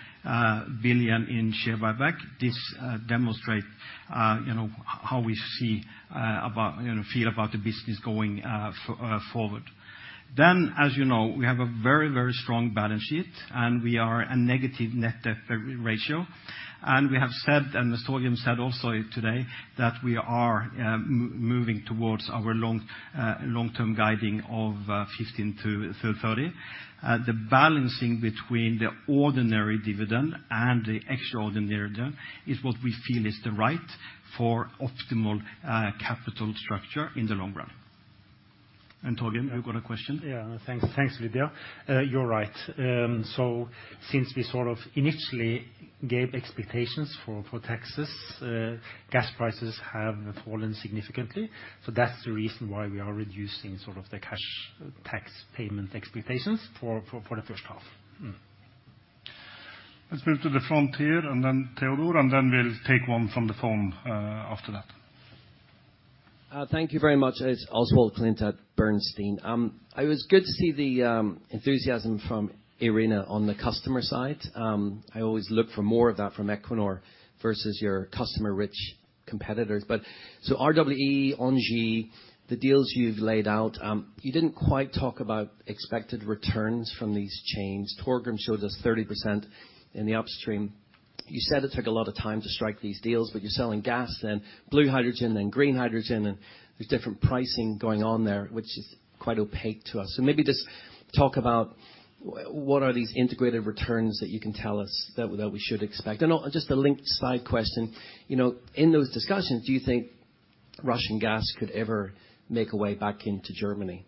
billion in share buyback, this demonstrate, you know, how we see about, you know, feel about the business going forward. As you know, we have a very strong balance sheet, and we are a negative net debt ratio. We have said, and as Torgrim said also today, that we are moving towards our long-term guiding of 15-30. The balancing between the ordinary dividend and the extraordinary dividend is what we feel is the right for optimal capital structure in the long run. Torgrim, you've got a question? Thanks, Lydia. You're right. Since we sort of initially gave expectations for taxes, gas prices have fallen significantly. That's the reason why we are reducing sort of the cash tax payment expectations for the first half. Let's move to the front here and then Teodor, and then we'll take one from the phone, after that. Thank you very much. It's Oswald Clint at Bernstein. It was good to see the enthusiasm from Irene on the customer side. I always look for more of that from Equinor versus your customer-rich competitors. RWE, Engie, the deals you've laid out, you didn't quite talk about expected returns from these chains. Torgrim showed us 30% in the upstream. You said it took a lot of time to strike these deals, but you're selling gas then blue hydrogen, then green hydrogen, and there's different pricing going on there, which is quite opaque to us. Maybe just talk about what are these integrated returns that you can tell us that we should expect? Just a linked side question. You know, in those discussions, do you think? Russian gas could ever make a way back into Germany?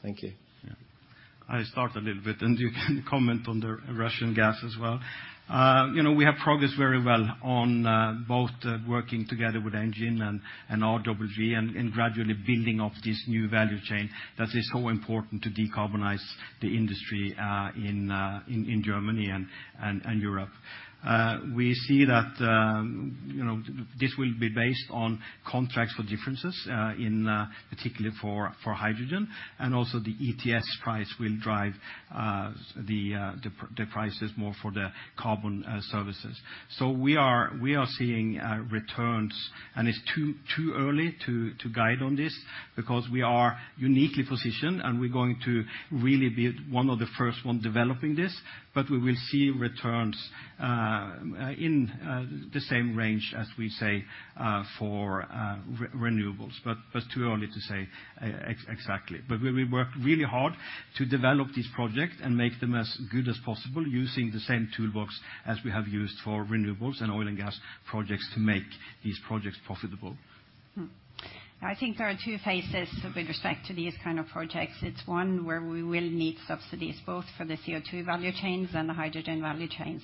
Thank you. Yeah. I start a little bit, and you can comment on the Russian gas as well. You know, we have progressed very well on both working together with ENGIE and RWE, and gradually building up this new value chain that is so important to decarbonize the industry in Germany and Europe. We see that, you know, this will be based on Contracts for Difference in particularly for hydrogen, and also the ETS price will drive the prices more for the carbon services. We are seeing returns, and it's too early to guide on this because we are uniquely positioned, and we're going to really be one of the first one developing this. We will see returns in the same range as we say for renewables. Too early to say exactly. We, we work really hard to develop this project and make them as good as possible using the same toolbox as we have used for renewables and oil and gas projects to make these projects profitable. I think there are two phases with respect to these kind of projects. It's one where we will need subsidies both for the CO2 value chains and the hydrogen value chains.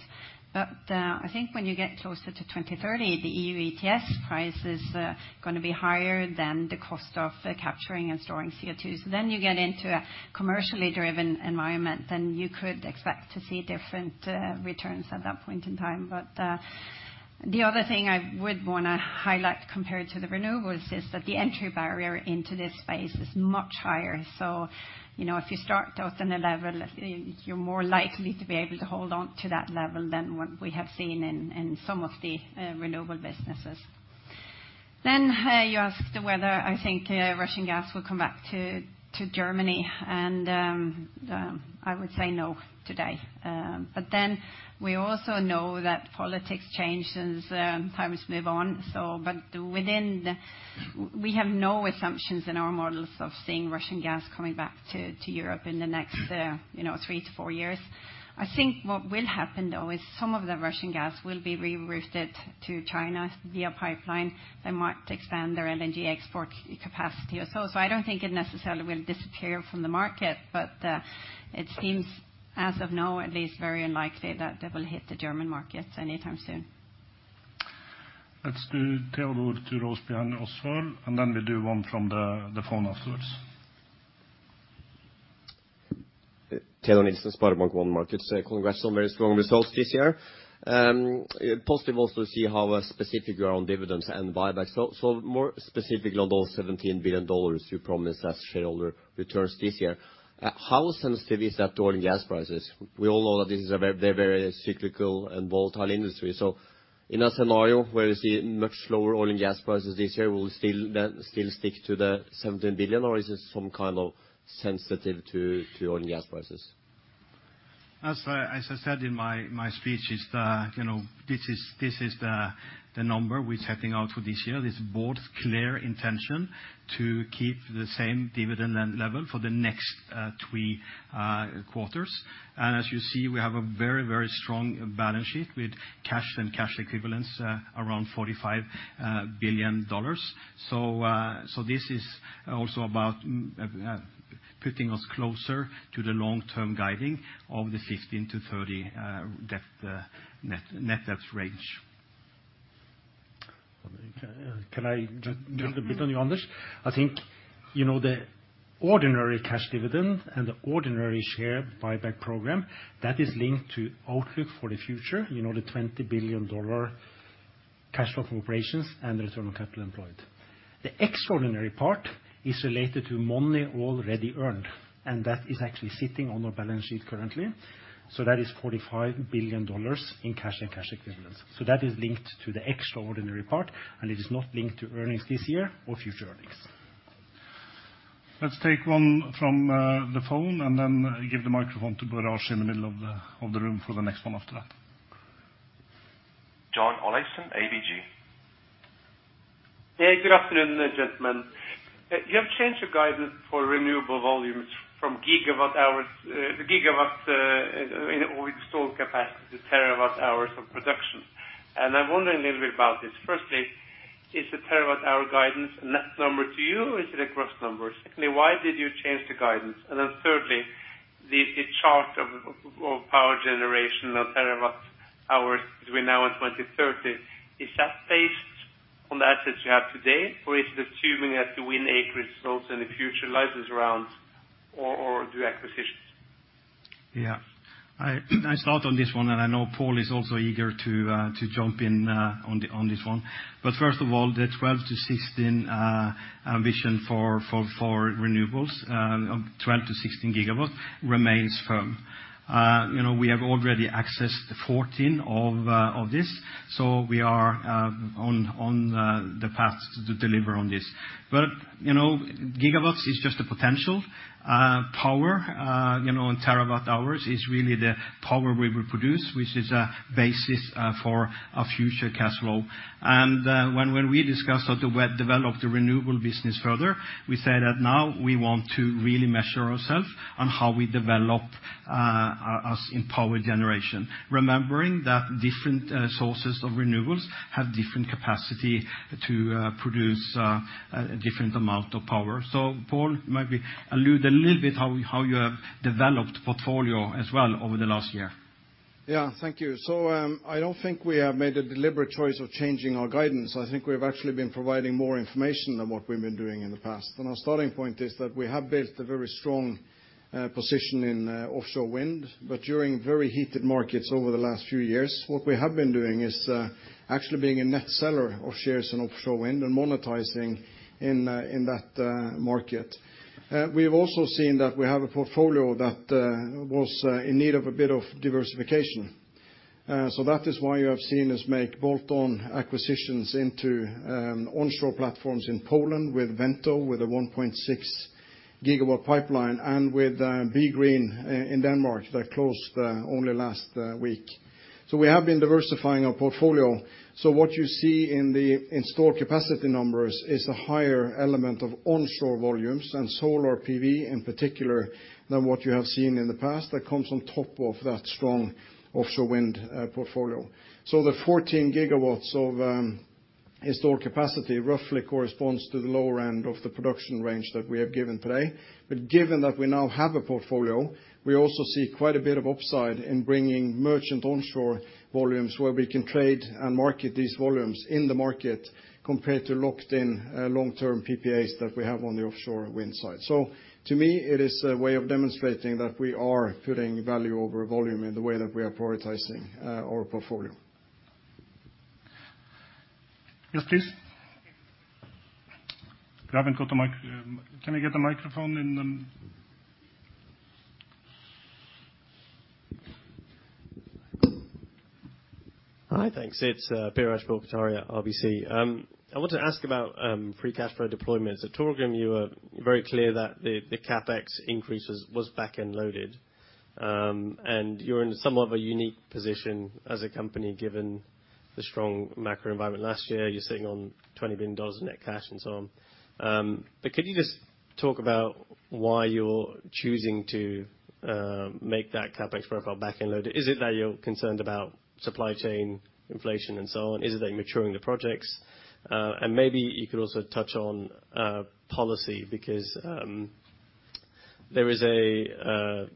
I think when you get closer to 2030, the EU ETS price is gonna be higher than the cost of capturing and storing CO2. You get into a commercially driven environment, you could expect to see different returns at that point in time. The other thing I would wanna highlight compared to the renewables is that the entry barrier into this space is much higher. You know, if you start out in a level, you're more likely to be able to hold on to that level than what we have seen in some of the renewable businesses. You ask whether I think Russian gas will come back to Germany, and I would say no today. We also know that politics changes, times move on. Within the... We have no assumptions in our models of seeing Russian gas coming back to Europe in the next, you know, three to four years. I think what will happen, though, is some of the Russian gas will be rerouted to China via pipeline. They might expand their LNG export capacity also. I don't think it necessarily will disappear from the market, but it seems, as of now at least, very unlikely that they will hit the German markets anytime soon. Let's do Theodor Torosjian as well, and then we do one from the phone afterwards. Teodor Sveen-Nilsen, SpareBank 1 Markets. Congrats on very strong results this year. Positive also to see how specific you are on dividends and buybacks. More specifically on those $17 billion you promised as shareholder returns this year, how sensitive is that to oil and gas prices? We all know that this is a very, very cyclical and volatile industry. In a scenario where you see much lower oil and gas prices this year, will you still stick to the $17 billion, or is this some kind of sensitive to oil and gas prices? As I said in my speech, is that, you know, this is the number we're setting out for this year. This board's clear intention to keep the same dividend then level for the next 3 quarters. As you see, we have a very strong balance sheet with cash and cash equivalents around $45 billion. This is also about putting us closer to the long-term guiding of the 16 to 30 debt net debt range. Can I just build a bit on you on this? I think, you know, the ordinary cash dividend and the ordinary share buyback program, that is linked to outlook for the future, you know, the $20 billion cash flow from operations and return on capital employed. The extraordinary part is related to money already earned, and that is actually sitting on our balance sheet currently. That is $45 billion in cash and cash equivalents. That is linked to the extraordinary part, and it is not linked to earnings this year or future earnings. Let's take one from the phone and then give the microphone to Baruch in the middle of the room for the next one after that. John Olaisen, ABG. Hey, good afternoon, gentlemen. You have changed your guidance for renewable volumes from gigawatt hours, the gigawatts in stored capacity to terawatt-hours of production. I'm wondering a little bit about this. Firstly, is the terawatt-hour guidance a net number to you or is it a gross number? Secondly, why did you change the guidance? Thirdly, the chart of power generation of terawatt-hours between now and 2030, is that based on the assets you have today, or is it assuming that the wind acreage also in the future license rounds or do acquisitions? Yeah. I start on this one, and I know Pål is also eager to jump in on this one. First of all, the 12 to 16 ambition for renewables of 12 to 16 gigawatts remains firm. You know, we have already accessed 14 of this, so we are on the path to deliver on this. You know, gigawatts is just a potential. Power, you know, in terawatt-hours is really the power we will produce, which is a basis for a future cash flow. When we discuss how to develop the renewable business further, we say that now we want to really measure ourselves on how we develop us in power generation. Remembering that different sources of renewables have different capacity to produce a different amount of power. Pål, maybe allude a little bit how you, how you have developed portfolio as well over the last year. Yeah. Thank you. I don't think we have made a deliberate choice of changing our guidance. I think we have actually been providing more information than what we've been doing in the past. Our starting point is that we have built a very strong position in offshore wind. During very heated markets over the last few years, what we have been doing is actually being a net seller of shares in offshore wind and monetizing in that market. We've also seen that we have a portfolio that was in need of a bit of diversification. That is why you have seen us make bolt-on acquisitions into onshore platforms in Poland with WENTO, with a 1.6 gigawatt pipeline and with BeGreen in Denmark that closed only last week. We have been diversifying our portfolio. What you see in the installed capacity numbers is the higher element of onshore volumes and solar PV in particular than what you have seen in the past. That comes on top of that strong offshore wind portfolio. The 14 gigawatts of installed capacity roughly corresponds to the lower end of the production range that we have given today. Given that we now have a portfolio, we also see quite a bit of upside in bringing merchant onshore volumes where we can trade and market these volumes in the market compared to locked in long-term PPAs that we have on the offshore wind side. To me, it is a way of demonstrating that we are putting value over volume in the way that we are prioritizing our portfolio. Yes, please. We haven't got a mic. Can we get a microphone in the... Hi. Thanks. It's Biraj Borkhataria, RBC. I want to ask about free cash flow deployments. At Torgrim, you were very clear that the CapEx increase was back-end loaded. You're in somewhat of a unique position as a company, given the strong macro environment last year. You're sitting on $20 billion in net cash and so on. Could you just talk about why you're choosing to make that CapEx profile back-end loaded? Is it that you're concerned about supply chain inflation and so on? Is it that you're maturing the projects? Maybe you could also touch on policy because there is a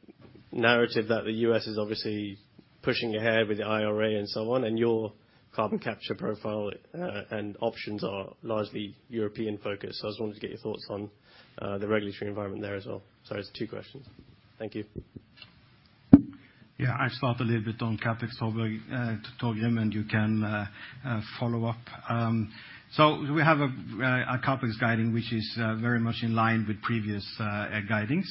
narrative that the U.S. is obviously pushing ahead with the IRA and so on, and your carbon capture profile and options are largely European-focused. I just wanted to get your thoughts on the regulatory environment there as well. Sorry, it's two questions. Thank you. Yeah. I'll start a little bit on CapEx to Torgrim, and you can follow up. We have a CapEx guiding, which is very much in line with previous guidings.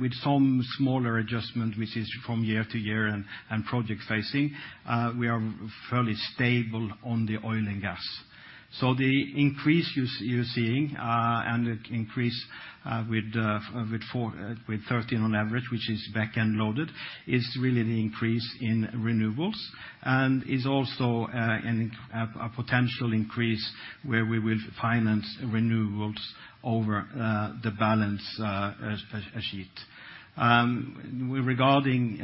With some smaller adjustment, which is from year to year and project facing, we are fairly stable on the oil and gas. The increase you're seeing, and increase with 13 on average, which is back-end loaded, is really the increase in renewables and is also a potential increase where we will finance renewables over the balance sheet. Regarding,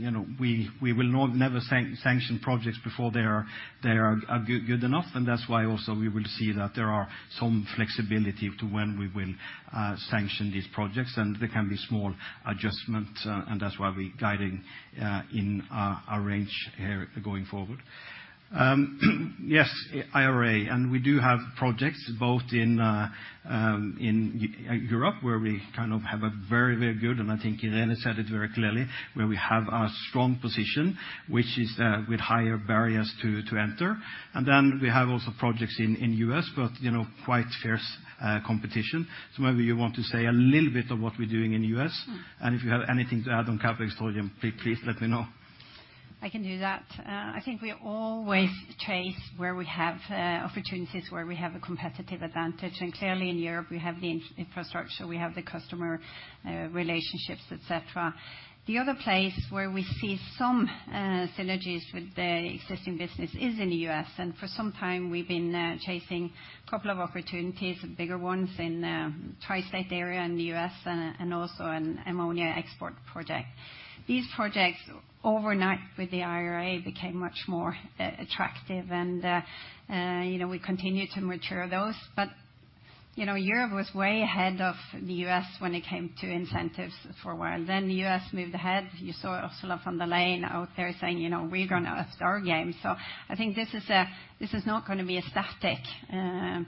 you know, we will never sanction projects before they are good enough. That's why also we will see that there are some flexibility to when we will sanction these projects, and there can be small adjustments, and that's why we're guiding in our range here going forward. Yes, IRA. We do have projects both in Europe where we kind of have a very, very good, and I think Irene said it very clearly, where we have a strong position, which is with higher barriers to enter. We have also projects in U.S., but, you know, quite fierce competition. Maybe you want to say a little bit of what we're doing in U.S. Mm-hmm. If you have anything to add on capex, Torgrim, please let me know. I can do that. I think we always chase where we have opportunities, where we have a competitive advantage. Clearly in Europe, we have the infrastructure, we have the customer relationships, et cetera. The other place where we see some synergies with the existing business is in the US. For some time we've been chasing a couple of opportunities and bigger ones in Tri-State Area in the US and also an ammonia export project. These projects overnight with the IRA became much more attractive and, you know, we continue to mature those. You know, Europe was way ahead of the US when it came to incentives for a while. The US moved ahead. You saw Ursula von der Leyen out there saying, you know, we're gonna up our game. I think this is a... This is not gonna be a static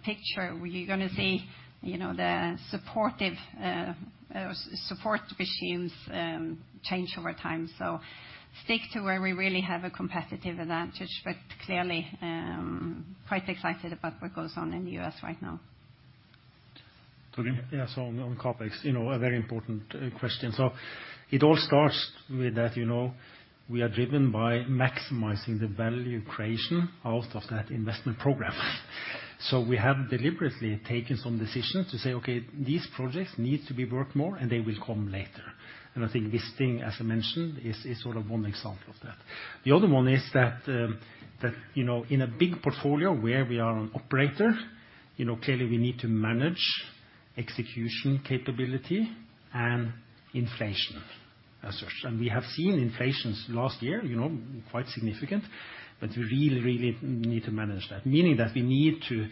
picture. We're gonna see, you know, the supportive support machines change over time. Stick to where we really have a competitive advantage. Clearly, quite excited about what goes on in the U.S. right now. Torgrim? Yeah. On CapEx, you know, a very important question. It all starts with that, you know, we are driven by maximizing the value creation out of that investment program. We have deliberately taken some decisions to say, okay, these projects need to be worked more and they will come later. I think this thing, as I mentioned, is sort of one example of that. The other one is that, you know, in a big portfolio where we are an operator, you know, clearly we need to manage execution capability and inflation as such. We have seen inflations last year, you know, quite significant. We really need to manage that, meaning that we need to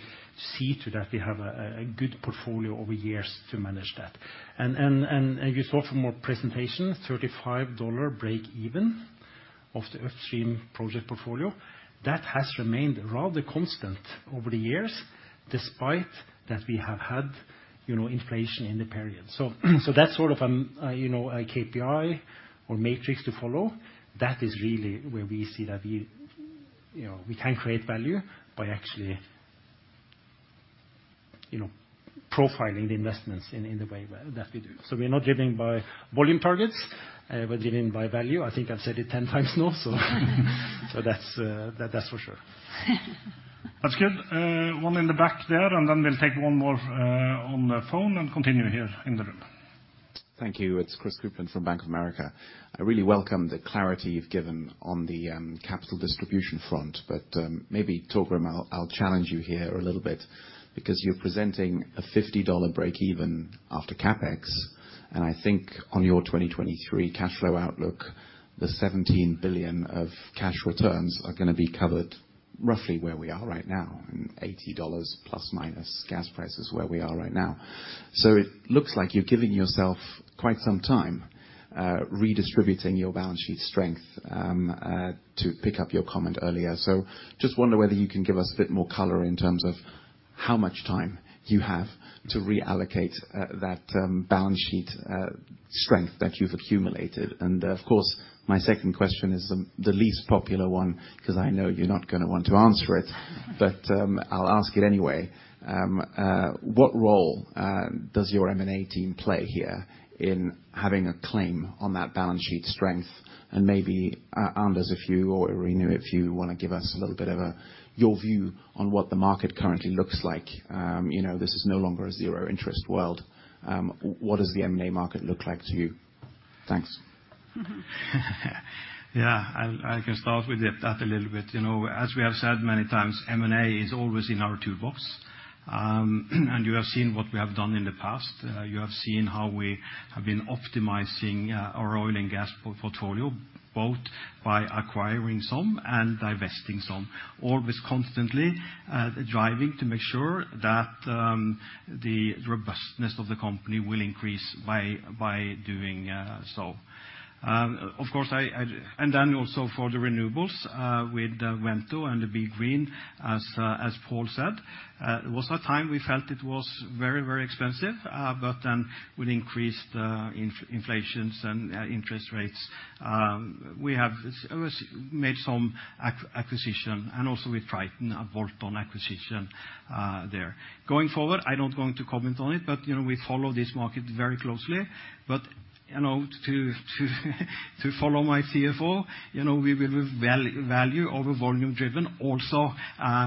see to that we have a good portfolio over years to manage that. You saw from our presentation, $35 break-even of the upstream project portfolio. That has remained rather constant over the years despite that we have had, you know, inflation in the period. That's sort of, you know, a KPI or matrix to follow. That is really where we see that we, you know, we can create value by actually, you know, profiling the investments in the way where, that we do. We are not driven by volume targets, we're driven by value. I think I've said it 10 times now. That's, that's for sure. That's good. One in the back there, and then we'll take one more on the phone and continue here in the room. Thank you. It's Christopher Kuplent from Bank of America. I really welcome the clarity you've given on the capital distribution front, but maybe Torgrim, I'll challenge you here a little bit because you're presenting a $50 break-even after capex. I think on your 2023 cash flow outlook, the $17 billion of cash returns are gonna be covered roughly where we are right now, in $80 plus minus gas prices where we are right now. It looks like you're giving yourself quite some time, redistributing your balance sheet strength to pick up your comment earlier. Just wonder whether you can give us a bit more color in terms of how much time you have to reallocate that balance sheet strength that you've accumulated. Of course, my second question is the least popular one, 'cause I know you're not gonna want to answer it, but I'll ask it anyway. What role does your M&A team play here in having a claim on that balance sheet strength? Maybe, Anders, if you or Irene, if you wanna give us a little bit of your view on what the market currently looks like. You know, this is no longer a zero interest world. What does the M&A market look like to you? Thanks. Yeah, I can start with that a little bit. You know, as we have said many times, M&A is always in our toolbox. You have seen what we have done in the past. You have seen how we have been optimizing our oil and gas portfolio, both by acquiring some and divesting some. Always constantly driving to make sure that the robustness of the company will increase by doing so. Of course I. Also for the renewables, with Wento and BeGreen, as Paul said, there was a time we felt it was very, very expensive. With increased inflations and interest rates, we have always made some acquisition and also with Triton, a bolt-on acquisition there. Going forward, I don't going to comment on it, but, you know, we follow this market very closely. You know, to follow my CFO, you know, we will be value over volume driven also,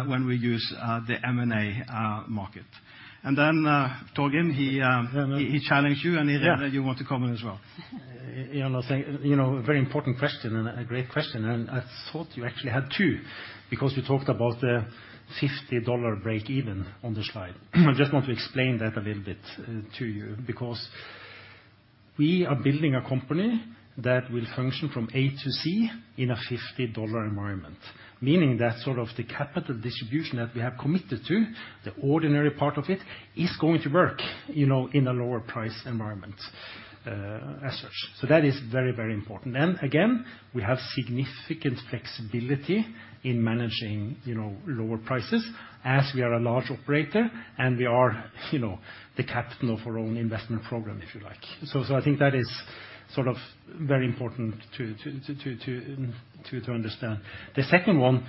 when we use the M&A market. Torgrim, he. Yeah. He challenged you, and Irene- Yeah. You want to comment as well. You know, a very important question and a great question. I thought you actually had 2 because you talked about the $50 break-even on the slide. I just want to explain that a little bit to you because we are building a company that will function from A to Z in a $50 environment, meaning that sort of the capital distribution that we have committed to, the ordinary part of it, is going to work, you know, in a lower price environment as such. That is very, very important. Again, we have significant flexibility in managing, you know, lower prices as we are a large operator and we are, you know, the captain of our own investment program, if you like. I think that is sort of very important to understand. The second one,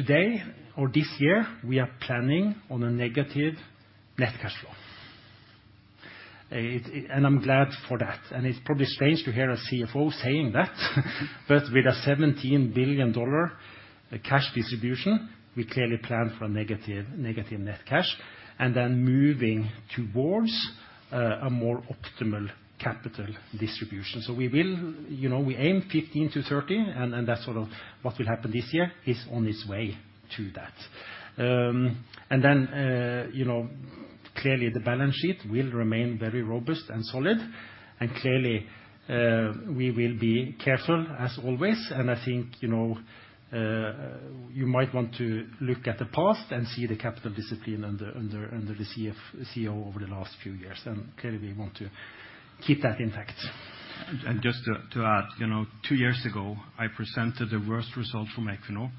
today or this year, we are planning on a negative net cash flow. I'm glad for that. It's probably strange to hear a CFO saying that, but with a $17 billion cash distribution, we clearly plan for a negative net cash, then moving towards a more optimal capital distribution. We will, you know, we aim 15%-30%, and that's sort of what will happen this year is on its way to that. Then, you know, clearly the balance sheet will remain very robust and solid, and clearly, we will be careful as always. I think, you know, you might want to look at the past and see the capital discipline under the CFO over the last few years, and clearly we want to keep that intact. Just to add, you know, two years ago, I presented the worst result from Equinor,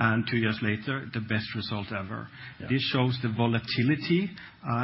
and two years later, the best result ever. Yeah. This shows the volatility,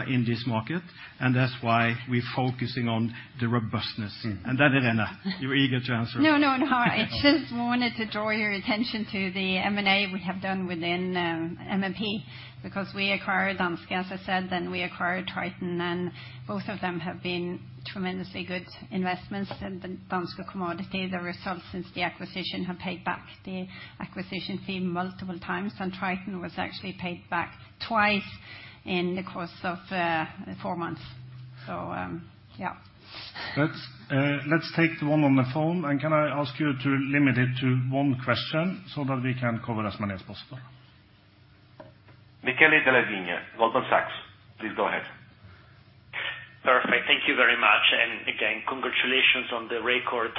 in this market, and that's why we're focusing on the robustness. Mm-hmm. Irene, you were eager to answer. No, no. I just wanted to draw your attention to the M&A we have done within, MMP, because we acquired Danske, as I said, then we acquired Triton, and both of them have been tremendously good investments. The Danske Commodities, the results since the acquisition have paid back the acquisition fee multiple times, and Triton was actually paid back twice in the course of, four months. Yeah. Let's take the one on the phone. Can I ask you to limit it to one question so that we can cover as many as possible? Michele Della Vigna, Goldman Sachs, please go ahead. Perfect. Thank you very much. Again, congratulations on the record,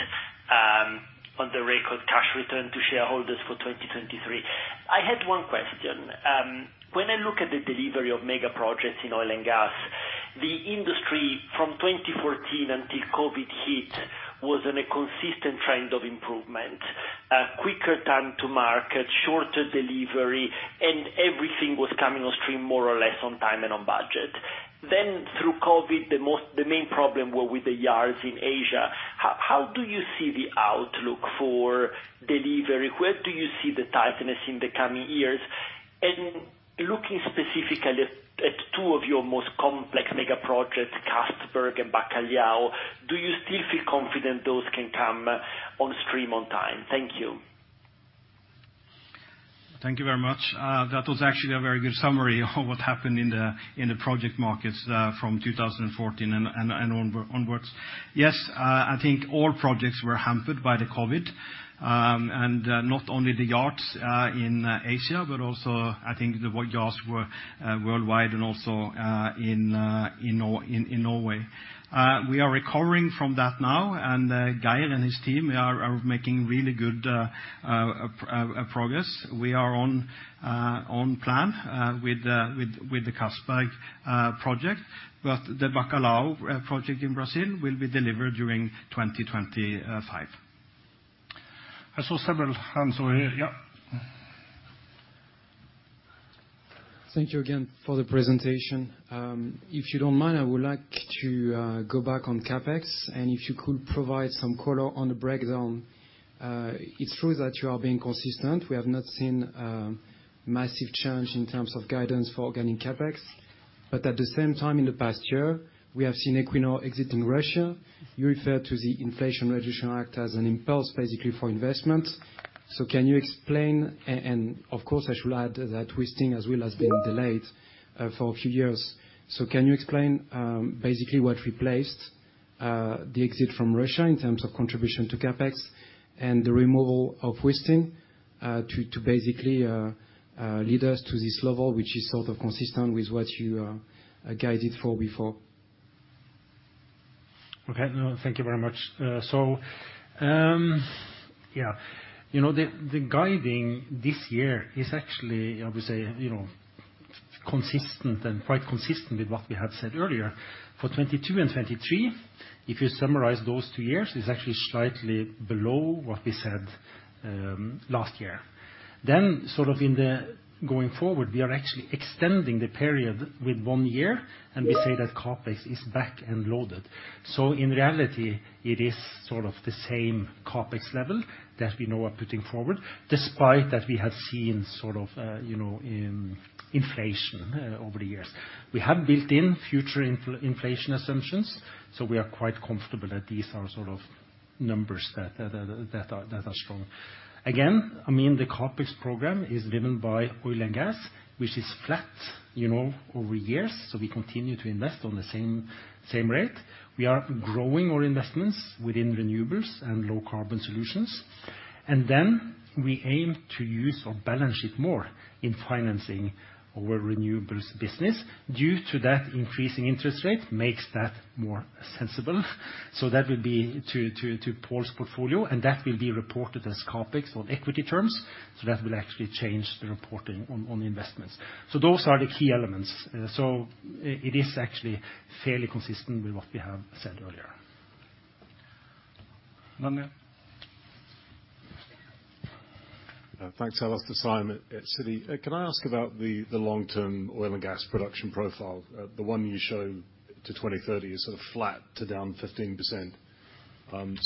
on the record cash return to shareholders for 2023. I had one question. When I look at the delivery of mega projects in oil and gas. The industry from 2014 until COVID hit was in a consistent trend of improvement. Quicker time to market, shorter delivery, everything was coming on stream more or less on time and on budget. Through COVID, the main problem were with the yards in Asia. How do you see the outlook for delivery? Where do you see the tightness in the coming years? Looking specifically at two of your most complex mega projects, Castberg and Bacalhau, do you still feel confident those can come on stream on time? Thank you. Thank you very much. That was actually a very good summary of what happened in the project markets from 2014 and onwards. Yes, I think all projects were hampered by the COVID. Not only the yards in Asia, but also I think the yards were worldwide and also in Norway. We are recovering from that now, and Geir and his team are making really good progress. We are on plan with the Castberg project. The Bacalhau project in Brazil will be delivered during 2025. I saw several hands over here. Yeah. Thank you again for the presentation. If you don't mind, I would like to go back on CapEx, and if you could provide some color on the breakdown. It's true that you are being consistent. We have not seen massive change in terms of guidance for organic CapEx. At the same time, in the past year, we have seen Equinor exiting Russia. You referred to the Inflation Reduction Act as an impulse, basically, for investment. Can you explain. Of course, I should add that Wisting as well has been delayed for a few years. Can you explain basically what replaced the exit from Russia in terms of contribution to CapEx and the removal of Wisting to basically lead us to this level, which is sort of consistent with what you guided for before? Okay. No, thank you very much. Yeah. You know, the guiding this year is actually, I would say, you know, consistent and quite consistent with what we had said earlier. For 22 and 23, if you summarize those two years, it's actually slightly below what we said last year. Sort of in the going forward, we are actually extending the period with one year, and we say that CapEx is back and loaded. In reality, it is sort of the same CapEx level that we now are putting forward, despite that we have seen sort of, you know, inflation over the years. We have built in future inflation assumptions, so we are quite comfortable that these are sort of numbers that are strong. I mean, the CapEx program is driven by oil and gas, which is flat, you know, over years. We continue to invest on the same rate. We are growing our investments within renewables and low-carbon solutions. Then we aim to use our balance sheet more in financing our renewables business. Due to that increasing interest rate makes that more sensible. That would be to Pål's portfolio, and that will be reported as CapEx on equity terms, so that will actually change the reporting on investments. Those are the key elements. It is actually fairly consistent with what we have said earlier. One more. Thanks. Alastair Syme at Citi. Can I ask about the long-term oil and gas production profile? The one you show to 2030 is sort of flat to down 15%.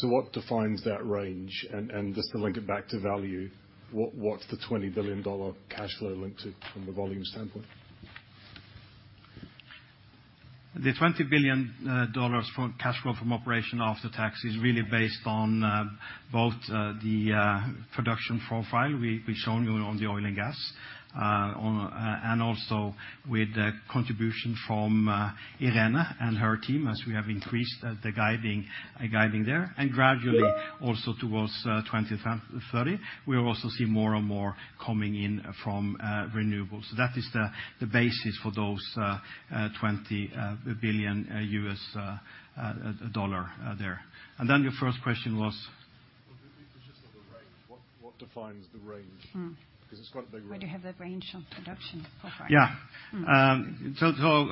What defines that range? Just to link it back to value, what's the $20 billion cash flow linked to from the volume standpoint? The $20 billion dollars from cash flow from operation after tax is really based on both the production profile we've shown you on the oil and gas on and also with the contribution from Irene and her team as we have increased the guiding there. Gradually also towards 2030, we'll also see more and more coming in from renewables. That is the basis for those $20 billion US dollar there. Your first question was? Just on the range, what defines the range? Mm. 'Cause it's quite a big range. Where do you have the range on production profile? Yeah.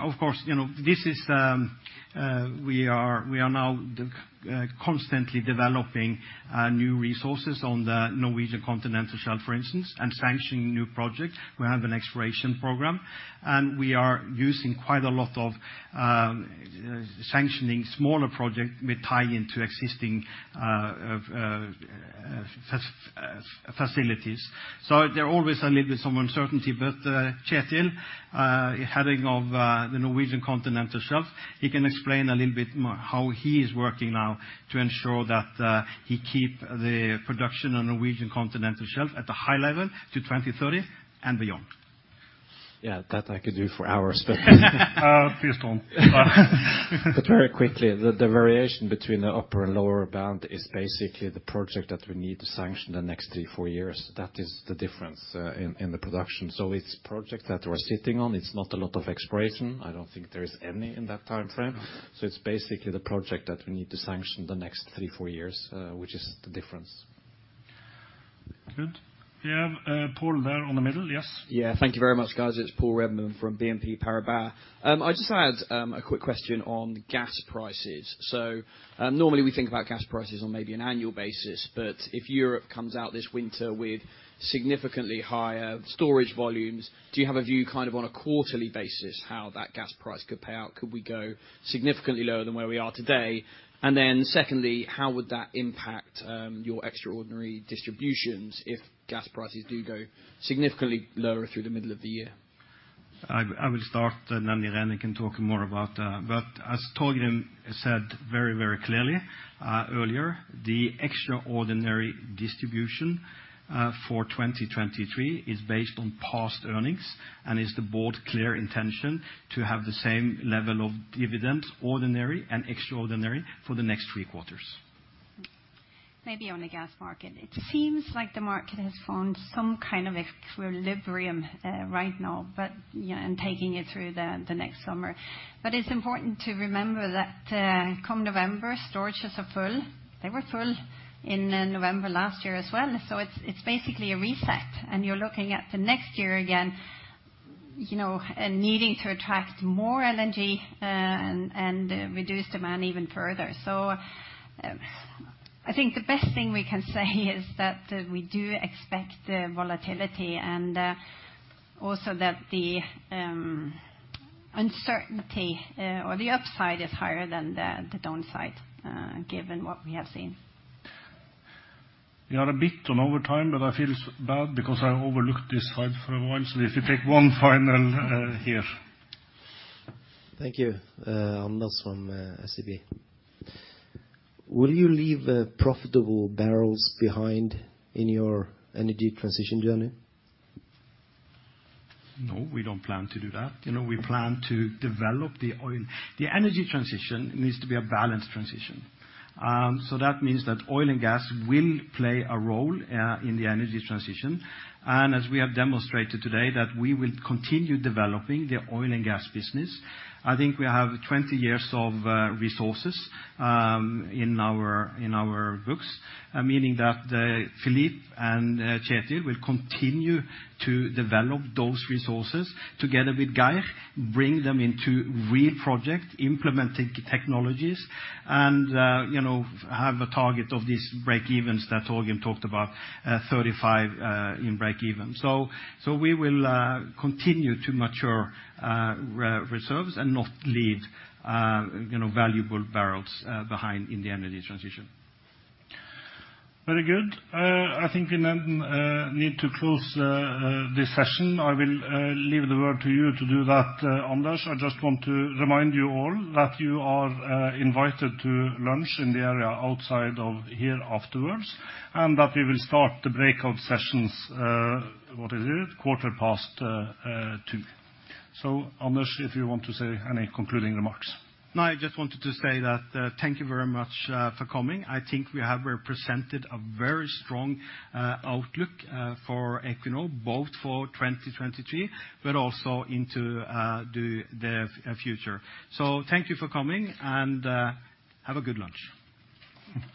Of course, you know, this is, we are now the constantly developing new resources on the Norwegian Continental Shelf, for instance, and sanctioning new projects. We have an exploration program, and we are using quite a lot of sanctioning smaller project with tie-in to existing facilities. There are always a little bit some uncertainty. Kjetil, heading of the Norwegian Continental Shelf, he can explain a little bit more how he is working now to ensure that he keep the production on Norwegian Continental Shelf at a high level to 2030 and beyond. Yeah. That I could do for hours, but- Please, don't. very quickly, the variation between the upper and lower bound is basically the project that we need to sanction the next 3, 4 years. That is the difference, in the production. It's project that we're sitting on. It's not a lot of exploration. I don't think there is any in that timeframe. It's basically the project that we need to sanction the next 3, 4 years, which is the difference. Good. We have, Paul there on the middle. Yes. Yeah. Thank you very much, guys. It's Paul Redman from BNP Paribas. I just had a quick question on gas prices. Normally we think about gas prices on maybe an annual basis, but if Europe comes out this winter with significantly higher storage volumes, do you have a view kind of on a quarterly basis how that gas price could play out? Could we go significantly lower than where we are today? Secondly, how would that impact your extraordinary distributions if gas prices do go significantly lower through the middle of the year? I will start, and then Irene can talk more about. As Torgrim said very, very clearly, earlier, the extraordinary distribution for 2023 is based on past earnings and is the board clear intention to have the same level of dividends, ordinary and extraordinary, for the next 3 quarters. Maybe on the gas market, it seems like the market has found some kind of equilibrium right now, but, yeah, and taking it through the next summer. It's important to remember that come November, storages are full. They were full in November last year as well. It's basically a reset, and you're looking at the next year again, you know, and needing to attract more LNG and reduce demand even further. I think the best thing we can say is that we do expect the volatility and also that the uncertainty or the upside is higher than the downside given what we have seen. We are a bit on over time, but I feel bad because I overlooked this slide for a while. If we take one final here. Thank you. I'm Lars from SEB. Will you leave profitable barrels behind in your energy transition journey? No, we don't plan to do that. You know, we plan to develop the oil. The energy transition needs to be a balanced transition. That means that oil and gas will play a role in the energy transition. As we have demonstrated today, that we will continue developing the oil and gas business. I think we have 20 years of resources in our books, meaning that Philippe and Kjetil will continue to develop those resources together with Geir, bring them into real projects, implementing technologies, and, you know, have a target of these break-evens that Torgrim talked about, 35 in break-even. We will continue to mature re-reserves and not leave, you know, valuable barrels behind in the energy transition. Very good. I think we now need to close this session. I will leave the word to you to do that, Anders. I just want to remind you all that you are invited to lunch in the area outside of here afterwards, and that we will start the breakout sessions, what is it? Quarter past 2. Anders, if you want to say any concluding remarks. I just wanted to say that, thank you very much for coming. I think we have represented a very strong outlook for Equinor, both for 2023, but also into the future. Thank you for coming, and have a good lunch.